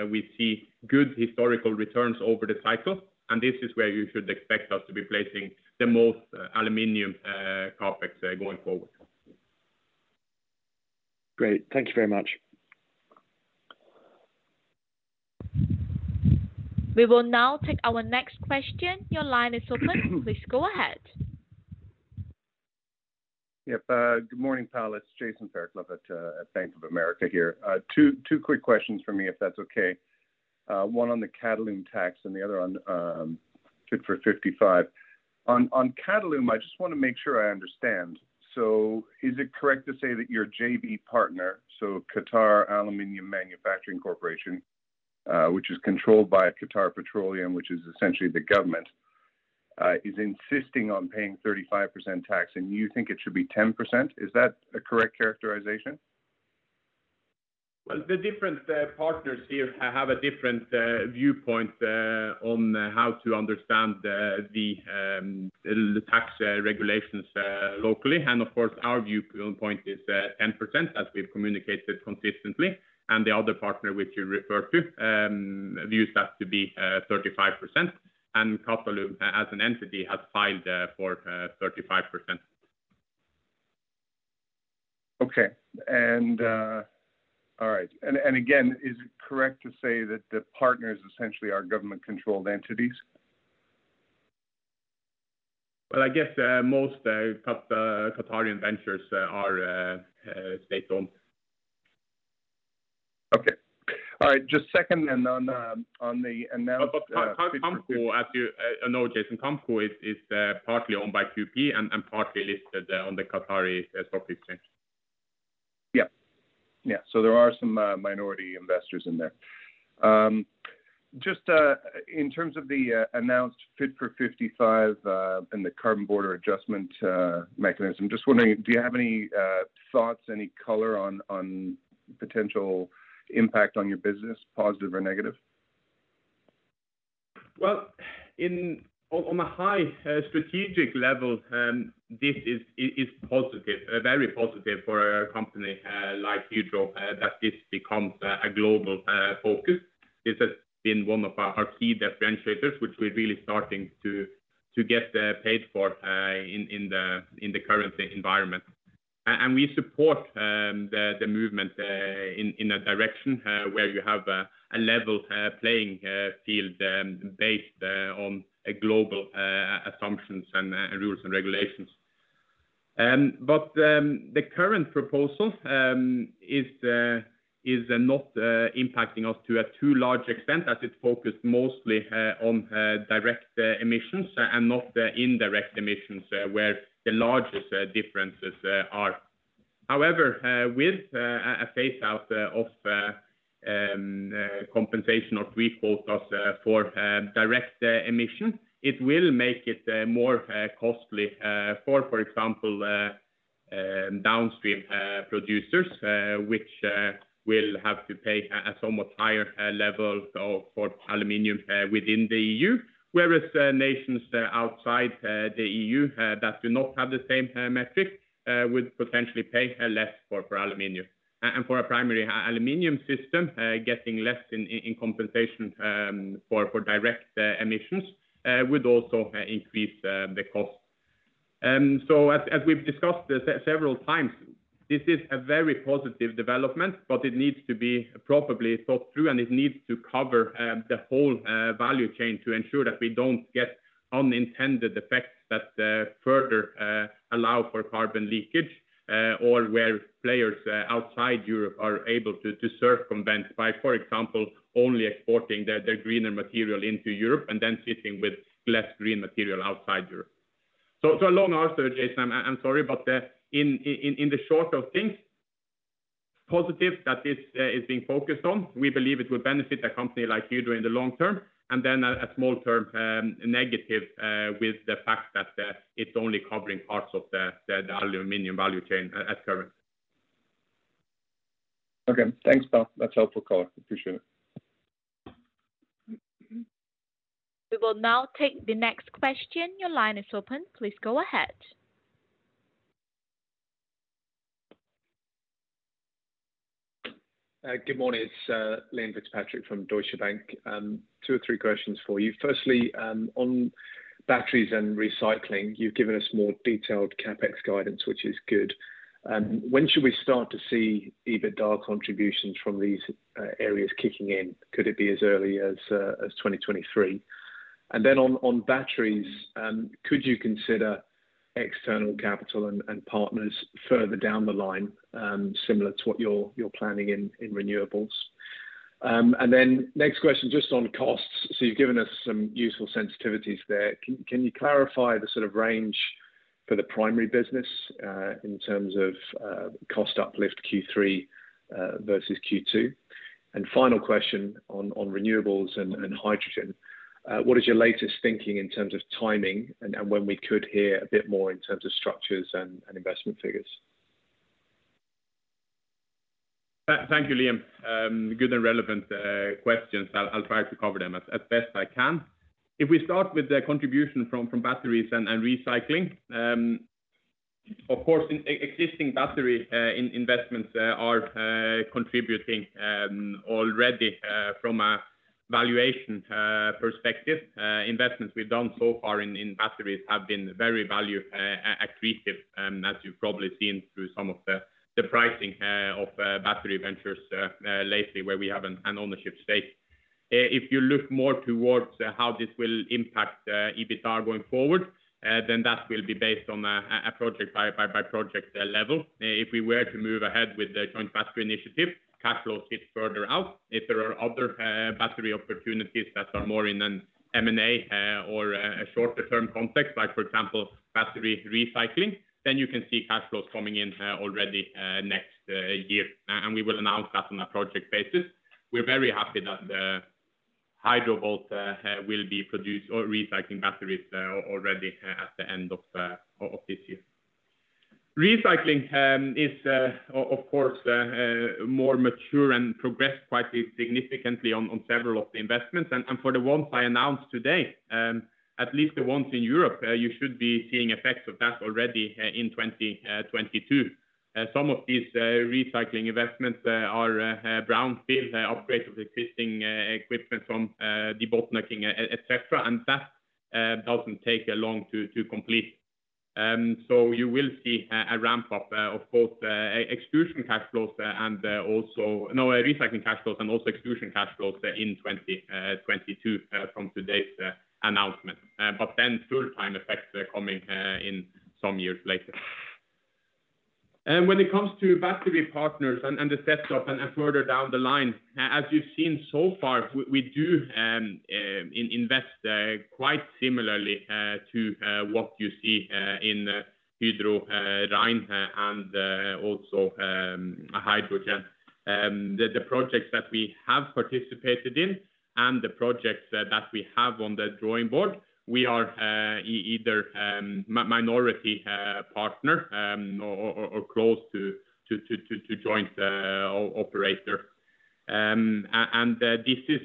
we see good historical returns over the cycle, and this is where you should expect us to be placing the most aluminum CapEx going forward. Great. Thank you very much. We will now take our next question. Your line is open. Please go ahead. Good morning, Pål. It's Jason Fairclough at Bank of America here. Two quick questions from me, if that's okay. One on the Qatalum tax and the other on Fit for 55. On Qatalum, I just want to make sure I understand. Is it correct to say that your JV partner, so Qatar Aluminium Manufacturing Company, which is controlled by Qatar Petroleum, which is essentially the government, is insisting on paying 35% tax, and you think it should be 10%? Is that a correct characterization? Well, the different partners here have a different viewpoint on how to understand the tax regulations locally. Of course, our viewpoint is 10%, as we've communicated consistently. The other partner which you refer to, views that to be 35%. Qatalum, as an entity, has filed for 35%. Okay. All right. Again, is it correct to say that the partners essentially are government-controlled entities? Well, I guess most Qatari ventures are state-owned. Okay. All right. QAMCO, as you know, Jason, QAMCO is partly owned by QP and partly listed on the Qatar Stock Exchange. Yeah. There are some minority investors in there. Just in terms of the announced Fit for 55 and the Carbon Border Adjustment Mechanism, just wondering, do you have any thoughts, any color on potential impact on your business, positive or negative? Well, on a high strategic level, this is positive, very positive for a company like Hydro, that this becomes a global focus. This has been one of our key differentiators, which we're really starting to get paid for in the current environment. We support the movement in a direction where you have a level playing field based on global assumptions and rules and regulations. The current proposal is not impacting us to a too large extent as it's focused mostly on direct emissions and not the indirect emissions, where the largest differences are. However, with a phase out of compensation or free quotas for direct emission, it will make it more costly for example, downstream producers, which will have to pay a somewhat higher level for aluminum within the EU, whereas nations outside the EU that do not have the same metric would potentially pay less for aluminum. For a primary aluminum system getting less in compensation for direct emissions would also increase the cost. As we've discussed several times, this is a very positive development, but it needs to be properly thought through, and it needs to cover the whole value chain to ensure that we don't get unintended effects that further allow for carbon leakage, or where players outside Europe are able to circumvent by, for example, only exporting their greener material into Europe and then sitting with less green material outside Europe. It's a long answer, Jason, I'm sorry. In the short of things, positive that this is being focused on. We believe it will benefit a company like Hydro in the long term, and then a small term negative with the fact that it's only covering parts of the aluminum value chain at current. Okay. Thanks, Pål. That's a helpful call. Appreciate it. We will now take the next question. Your line is open. Please go ahead. Good morning. It's Liam Fitzpatrick from Deutsche Bank. Two or three questions for you. Firstly, on batteries and recycling, you've given us more detailed CapEx guidance, which is good. When should we start to see EBITDA contributions from these areas kicking in? Could it be as early as 2023? On batteries, could you consider external capital and partners further down the line, similar to what you're planning in renewables? Next question, just on costs. You've given us some useful sensitivities there. Can you clarify the sort of range for the primary business in terms of cost uplift Q3 versus Q2? Final question on renewables and hydrogen. What is your latest thinking in terms of timing and when we could hear a bit more in terms of structures and investment figures? Thank you, Liam. Good and relevant questions. I'll try to cover them as best I can. We start with the contribution from batteries and recycling. Of course, existing battery investments are contributing already from a valuation perspective. Investments we've done so far in batteries have been very value accretive, as you've probably seen through some of the pricing of battery ventures lately where we have an ownership stake. You look more towards how this will impact EBITDA going forward, then that will be based on a project by project level. We were to move ahead with the joint battery initiative, cash flows hit further out. There are other battery opportunities that are more in an M&A or a shorter-term context, like for example, battery recycling, then you can see cash flows coming in already next year, and we will announce that on a project basis. We're very happy that Hydro Volt will be produced or recycling batteries already at the end of this year. Recycling is, of course, more mature and progressed quite significantly on several of the investments. For the ones I announced today, at least the ones in Europe, you should be seeing effects of that already in 2022. Some of these recycling investments are brownfield upgrades of existing equipment from debottlenecking, et cetera, and that doesn't take long to complete. You will see a ramp-up of both recycling cash flows and also extrusion cash flows in 2022 from today's announcement. Then full-time effects coming in some years later. When it comes to battery partners and the setup and further down the line, as you've seen so far, we do invest quite similarly to what you see in Hydro REIN, and also hydrogen. The projects that we have participated in and the projects that we have on the drawing board, we are either minority partner or close to joint operator. This is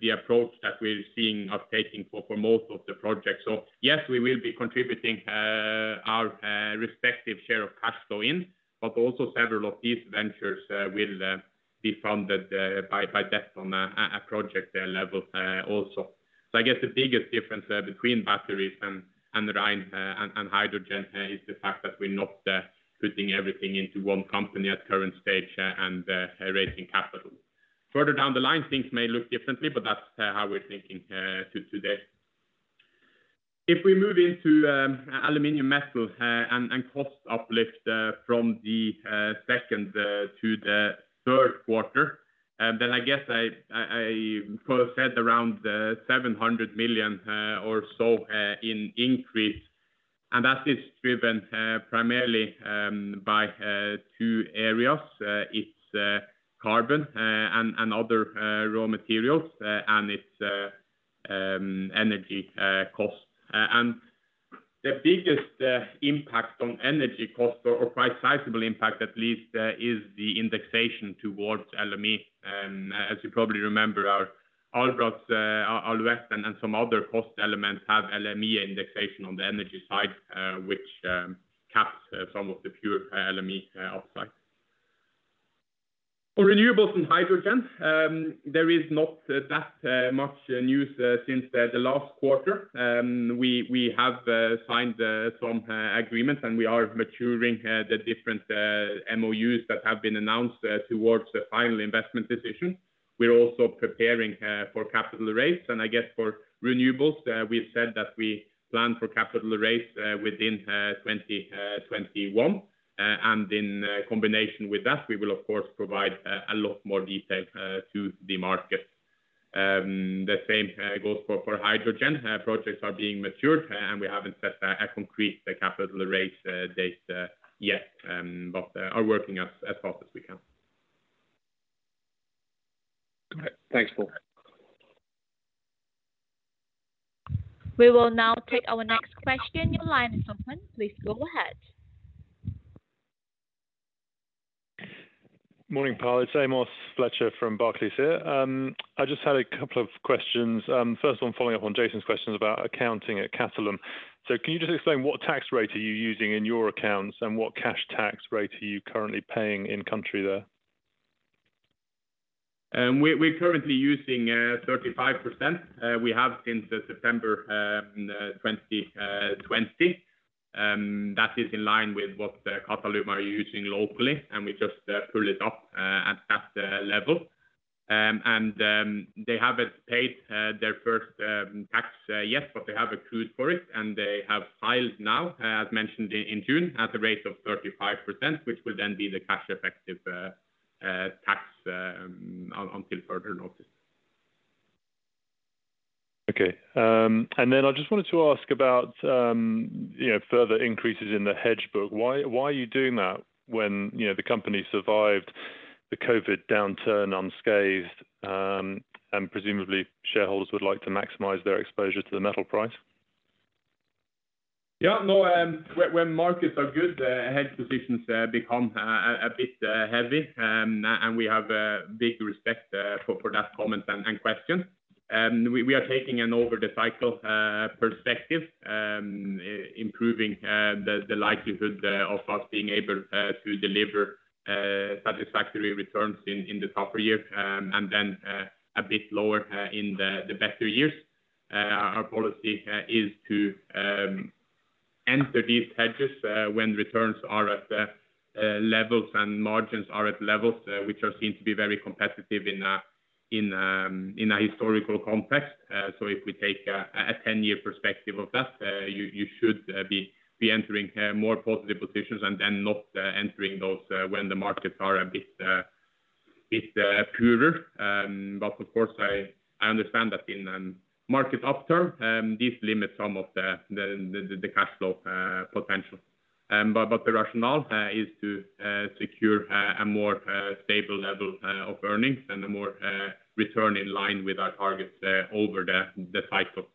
the approach that we're seeing updating for most of the projects. Yes, we will be contributing our respective share of cash flow in, but also several of these ventures will be funded by debt on a project level also. I guess the biggest difference between batteries and hydrogen is the fact that we're not putting everything into one company at current stage and raising capital. Further down the line, things may look differently, but that's how we're thinking today. If we move into aluminium metal and cost uplift from the second to the third quarter, then I guess I said around 700 million or so in increase. That is driven primarily by two areas. It's carbon and other raw materials, and it's energy cost. The biggest impact on energy cost or quite sizable impact at least, is the indexation towards LME. As you probably remember, our Albras, Alouette, and some other cost elements have LME indexation on the energy side, which caps some of the pure LME upside. For renewables and hydrogen, there is not that much news since the last quarter. We have signed some agreements, and we are maturing the different MOUs that have been announced towards the final investment decision. We're also preparing for capital raise, and I guess for renewables, we've said that we plan for capital raise within 2021. In combination with that, we will, of course, provide a lot more detail to the market. The same goes for hydrogen. Projects are being matured, and we haven't set a concrete capital raise date yet, but are working as fast as we can. Okay. Thanks, Pål. We will now take our next question. Your line is open. Please go ahead. Morning, Pål. It's Amos Fletcher from Barclays, here. I just had a couple of questions. First one following up on Jason's questions about accounting at Qatalum. Can you just explain what tax rate are you using in your accounts, and what cash tax rate are you currently paying in-country there? We're currently using 35%. We have since September 2020. That is in line with what Qatalum are using locally, and we just pulled it up at that level. They haven't paid their first tax yet, but they have accrued for it, and they have filed now, as mentioned, in June, at a rate of 35%, which will then be the cash effective tax until further notice. Okay. Then I just wanted to ask about further increases in the hedge book. Why are you doing that when the company survived the COVID downturn unscathed, and presumably shareholders would like to maximize their exposure to the metal price? Yeah. No, when markets are good, hedge positions become a bit heavy. We have big respect for that comment and question. We are taking an over the cycle perspective, improving the likelihood of us being able to deliver satisfactory returns in the tougher years, and then a bit lower in the better years. Our policy is to enter these hedges when returns are at levels and margins are at levels which are seen to be very competitive in a historical context. If we take a 10-year perspective of that, you should be entering more positive positions and then not entering those when the markets are a bit poorer. Of course, I understand that in a market upturn, this limits some of the cash flow potential. The rationale is to secure a more stable level of earnings and a more return in line with our targets over the cycle.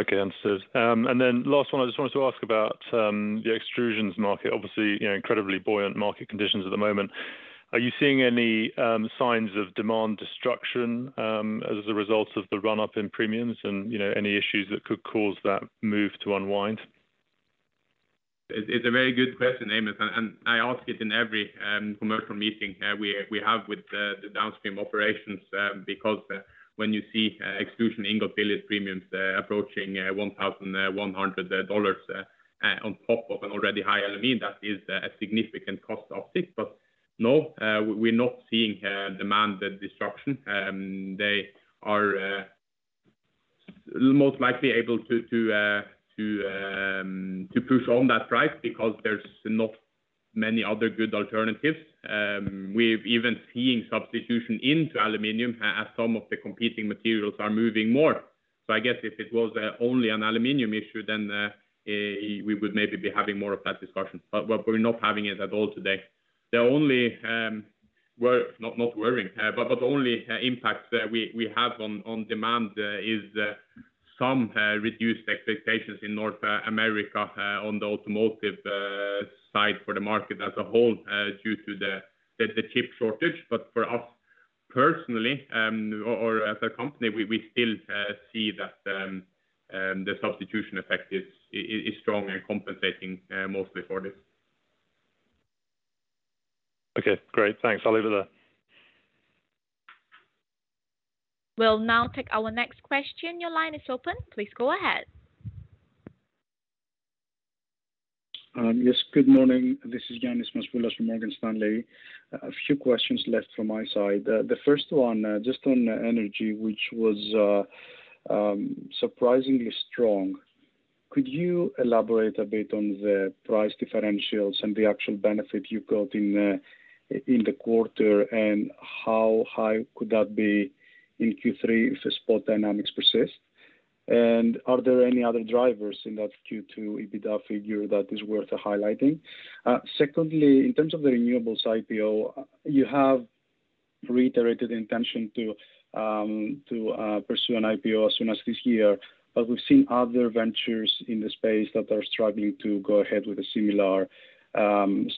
Okay, understood. Last one, I just wanted to ask about the extrusions market. Obviously, incredibly buoyant market conditions at the moment. Are you seeing any signs of demand destruction as a result of the run-up in premiums and any issues that could cause that move to unwind? It's a very good question, Amos, I ask it in every commercial meeting we have with the downstream operations, because when you see extrusion ingot billet premiums approaching $1,100 on top of an already high aluminum, that is a significant cost uptick. No, we're not seeing demand destruction. They are most likely able to push on that price because there's not many other good alternatives. We're even seeing substitution into aluminum as some of the competing materials are moving more. I guess if it was only an aluminum issue, then we would maybe be having more of that discussion. We're not having it at all today. The only worry, not worrying, but the only impact we have on demand is some reduced expectations in North America on the automotive side for the market as a whole due to the chip shortage. For us personally, or as a company, we still see that the substitution effect is strong and compensating mostly for this. Okay, great. Thanks. I'll leave it there. We'll now take our next question. Your line is open. Please go ahead. Yes, good morning. This is Ioannis Masvoulas from Morgan Stanley. A few questions left from my side. The first one, just on energy, which was surprisingly strong. Could you elaborate a bit on the price differentials and the actual benefit you got in the quarter, and how high could that be in Q3 if the spot dynamics persist? Are there any other drivers in that Q2 EBITDA figure that is worth highlighting? Secondly, in terms of the renewables IPO, you have reiterated intention to pursue an IPO as soon as this year. We've seen other ventures in the space that are struggling to go ahead with a similar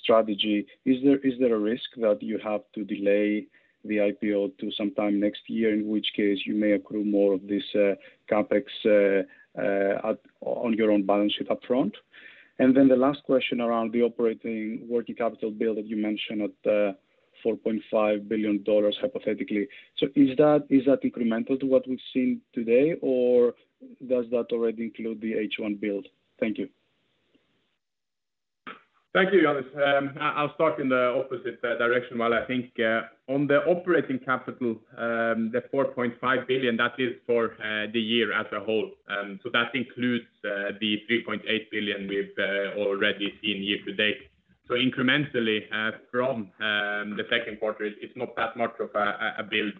strategy. Is there a risk that you have to delay the IPO to sometime next year, in which case you may accrue more of this CapEx on your own balance sheet up front? The last question around the operating working capital build that you mentioned at $4.5 billion, hypothetically. Is that incremental to what we've seen today, or does that already include the H1 build? Thank you. Thank you, Ioannis. I'll start in the opposite direction while I think. On the operating capital, the 4.5 billion, that is for the year as a whole. That includes the 3.8 billion we've already seen year to date. Incrementally, from the second quarter, it's not that much of a build.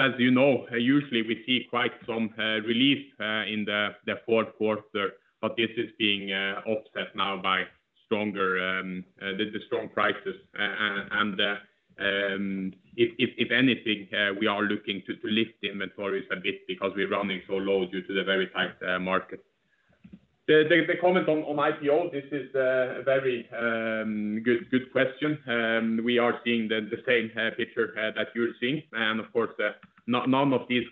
As you know, usually we see quite some relief in the fourth quarter. This is being offset now by the strong prices. If anything, we are looking to lift the inventories a bit because we're running so low due to the very tight market. The comment on IPO, this is a very good question. We are seeing the same picture that you're seeing. Of course, none of these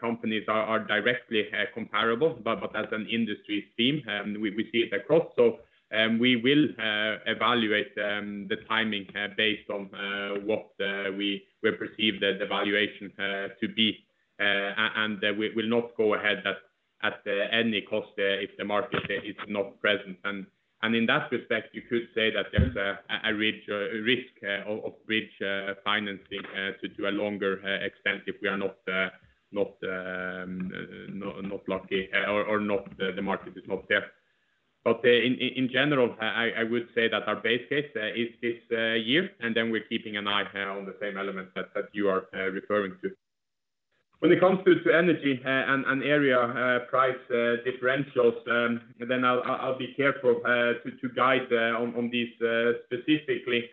companies are directly comparable. As an industry theme, we see it across. We will evaluate the timing based on what we perceive the valuation to be. We will not go ahead at any cost if the market is not present. In that respect, you could say that there's a risk of bridge financing to do a longer extent if we are not lucky or the market is not there. In general, I would say that our base case is this year, and then we're keeping an eye on the same elements that you are referring to. When it comes to energy and area price differentials, then I'll be careful to guide on these specifically.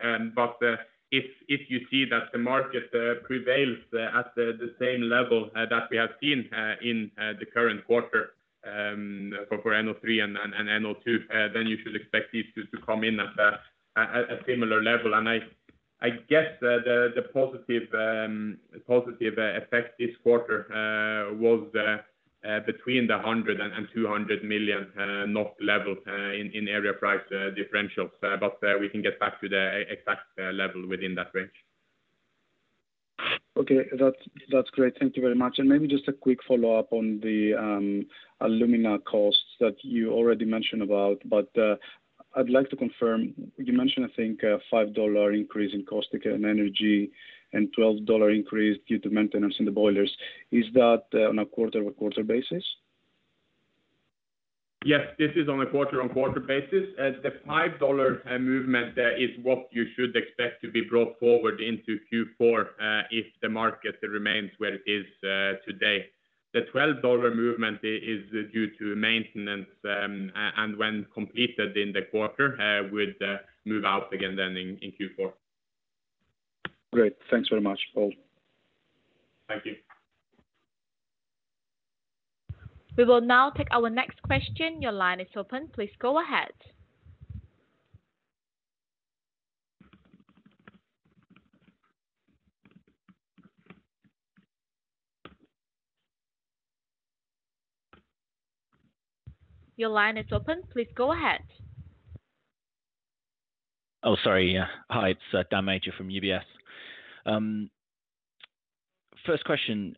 If you see that the market prevails at the same level that we have seen in the current quarter for NO3 and NO2, then you should expect these to come in at a similar level. I guess the positive effect this quarter was between the 100 million and 200 million level in area price differentials. We can get back to the exact level within that range. Okay. That's great. Thank you very much. Maybe just a quick follow-up on the alumina costs that you already mentioned about, but I'd like to confirm. You mentioned, I think, a NOK 5 increase in cost and energy and NOK 12 increase due to maintenance in the boilers. Is that on a quarter-on-quarter basis? Yes, this is on a quarter-on-quarter basis. The NOK 5 movement is what you should expect to be brought forward into Q4 if the market remains where it is today. The NOK 12 movement is due to maintenance, and when completed in the quarter, would move out again then in Q4. Great. Thanks very much. All. Thank you. We will now take our next question. Your line is open. Please go ahead. Your line is open. Please go ahead. Oh, sorry. Hi, it's Daniel Major from UBS. First question.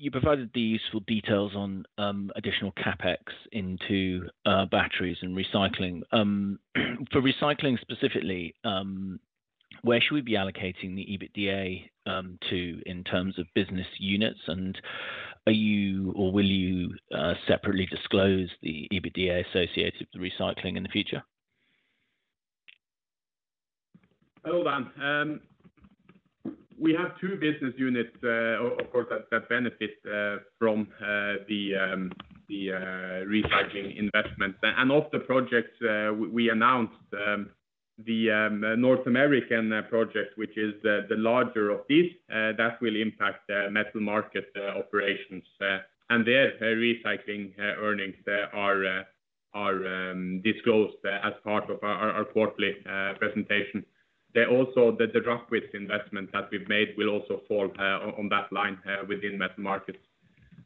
You provided the useful details on additional CapEx into batteries and recycling. For recycling specifically, where should we be allocating the EBITDA to in terms of business units? Are you, or will you separately disclose the EBITDA associated with the recycling in the future? Hello, Dan. We have two business units, of course, that benefit from the recycling investment. Of the projects we announced, the North American project, which is the larger of these, that will impact metal market operations. Their recycling earnings are disclosed as part of our quarterly presentation. The Rackwitz investment that we've made will also fall on that line within metal markets.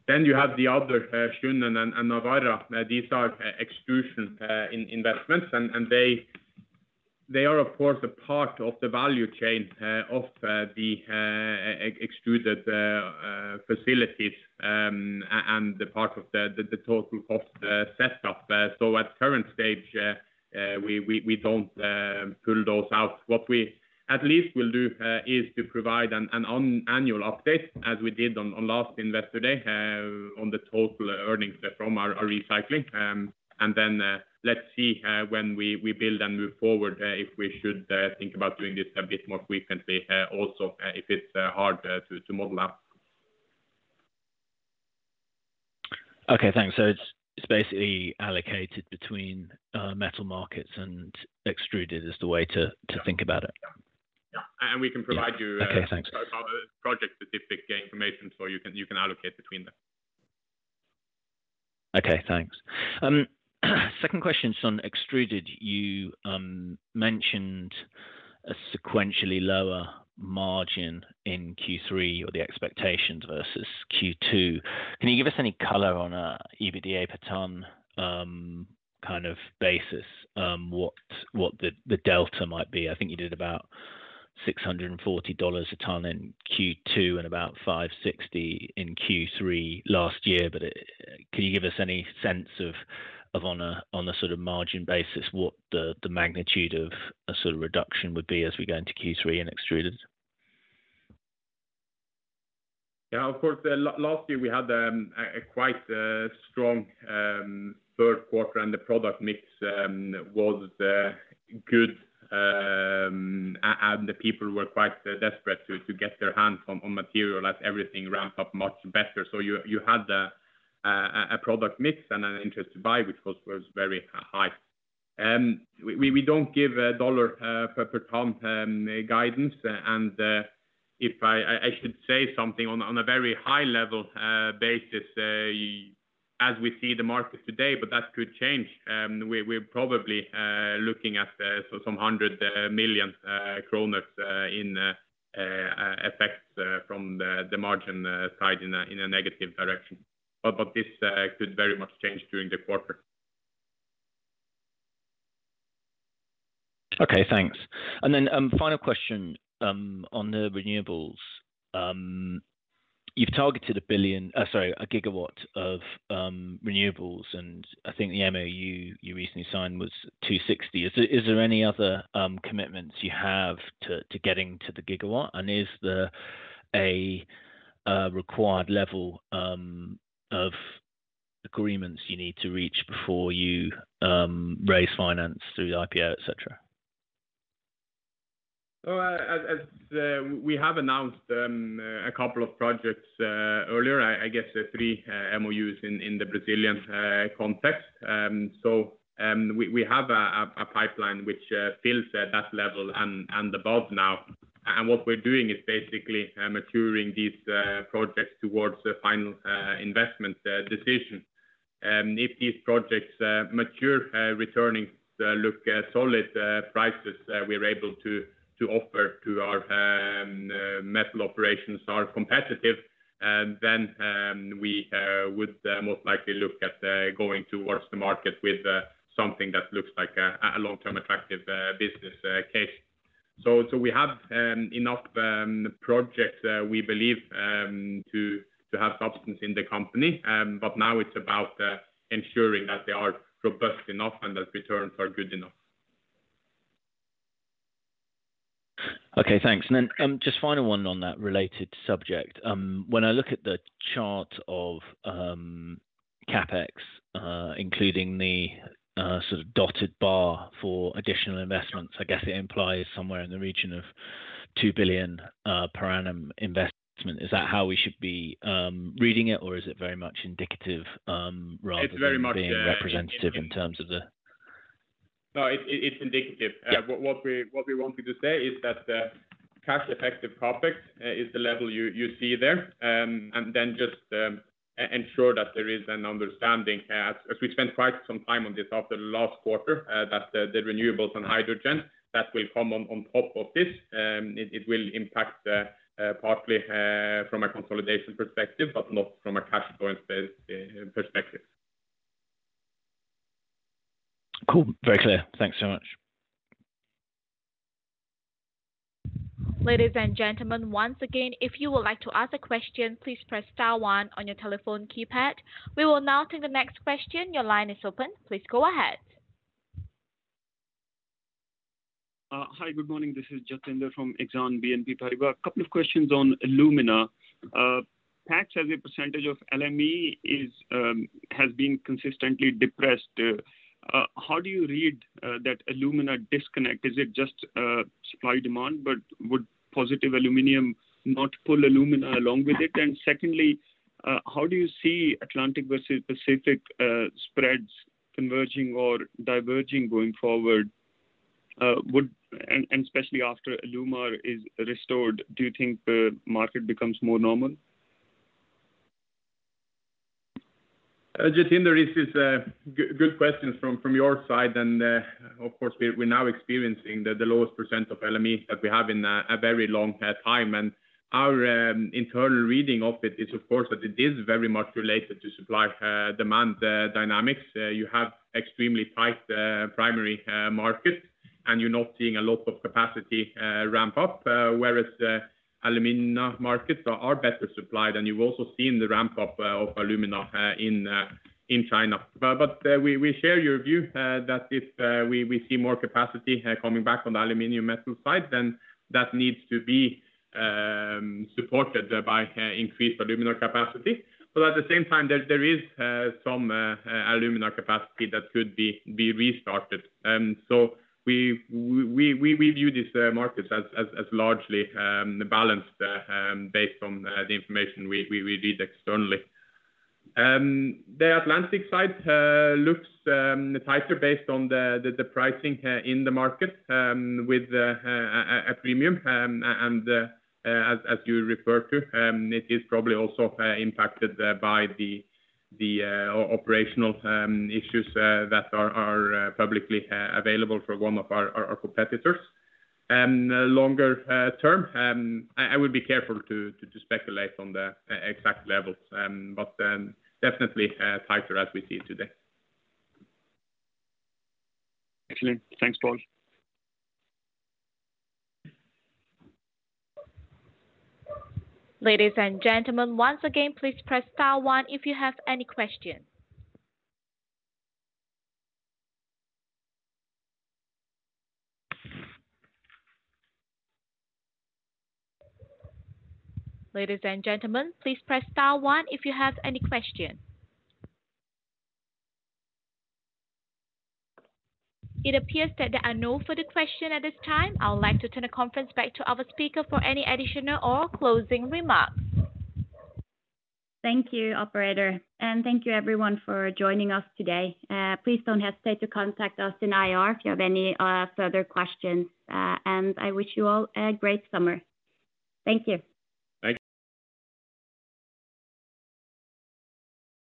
You have the other, Sjunnen and Navarra. These are extrusion investments, and they are, of course, a part of the value chain of the extruded facilities and the part of the total cost setup. At current stage, we don't pull those out. What we at least will do is to provide an annual update, as we did on last Investor Day, on the total earnings from our recycling. Then let's see when we build and move forward, if we should think about doing this a bit more frequently also, if it's hard to model out. Okay, thanks. It's basically allocated between metal markets and extruded, is the way to think about it. Yeah. Okay, thanks. project-specific information so you can allocate between them. Okay, thanks. Second question is on Extruded. You mentioned a sequentially lower margin in Q3 or the expectations versus Q2. Can you give us any color on a EBITDA per ton kind of basis what the delta might be? I think you did about $640 a ton in Q2 and about $560 in Q3 last year. Can you give us any sense of on a sort of margin basis what the magnitude of a sort of reduction would be as we go into Q3 in Extruded? Yeah, of course. Last year we had a quite strong third quarter and the product mix was good, and the people were quite desperate to get their hands on material as everything ramped up much better. You had a product mix and an interest to buy, which was very high. We don't give a dollar per ton guidance, and if I should say something on a very high-level basis, as we see the market today, but that could change, we're probably looking at some 100 million kroner in effects from the margin side in a negative direction. This could very much change during the quarter. Okay, thanks. Final question on the renewables. You've targeted 1 GW of renewables, and I think the MoU you recently signed was 260. Is there any other commitments you have to getting to the gigawatt? Is there a required level of agreements you need to reach before you raise finance through the IPO, et cetera? As we have announced a couple of projects earlier, I guess three MOUs in the Brazilian context. We have a pipeline which fills that level and above now. What we're doing is basically maturing these projects towards the final investment decision. If these projects mature, returning look solid prices, we're able to offer to our metal operations are competitive, then we would most likely look at going towards the market with something that looks like a long-term attractive business case. We have enough projects, we believe, to have substance in the company. Now it's about ensuring that they are robust enough and that returns are good enough. Okay, thanks. Just final one on that related subject. When I look at the chart of CapEx including the sort of dotted bar for additional investments, I guess it implies somewhere in the region of 2 billion per annum investment. Is that how we should be reading it, or is it very much indicative rather than? It is very much indicative. being representative in terms of. No, it's indicative. Yeah. What we wanted to say is that the cash effective CapEx is the level you see there, and then just ensure that there is an understanding, as we spent quite some time on this after last quarter, that the renewables and hydrogen, that will come on top of this. It will impact partly from a consolidation perspective, but not from a cash flow perspective. Cool. Very clear. Thanks so much. Ladies and gentlemen, once again, if you would like to ask a question, please press star one on your telephone keypad. We will now take the next question. Your line is open. Please go ahead. Hi, good morning. This is Jatinder from Exane BNP Paribas. A couple of questions on alumina. PAX as a percentage of LME has been consistently depressed. How do you read that alumina disconnect? Would positive aluminum not pull alumina along with it? Secondly, how do you see Atlantic versus Pacific spreads converging or diverging going forward? Especially after Alumar is restored, do you think the market becomes more normal? Jatinder, this is good questions from your side. Of course, we're now experiencing the lowest % of LME that we have in a very long time. Our internal reading of it is, of course, that it is very much related to supply/demand dynamics. You have extremely tight primary markets, and you're not seeing a lot of capacity ramp up, whereas alumina markets are better supplied, and you've also seen the ramp up of alumina in China. We share your view that if we see more capacity coming back on the aluminum metal side, then that needs to be supported by increased alumina capacity. At the same time, there is some alumina capacity that could be restarted. We view these markets as largely balanced based on the information we read externally. The Atlantic side looks tighter based on the pricing in the market with a premium, and as you refer to, it is probably also impacted by the operational issues that are publicly available for one of our competitors. Longer term, I would be careful to just speculate on the exact levels, but definitely tighter as we see it today. Excellent. Thanks a lot. Ladies and gentlemen, once again, please press star one if you have any questions. Ladies and gentlemen, please press star one if you have any questions. It appears that there are no further questions at this time. I would like to turn the conference back to our speaker for any additional or closing remarks. Thank you, operator, thank you, everyone, for joining us today. Please don't hesitate to contact us in IR if you have any further questions. I wish you all a great summer. Thank you. Thanks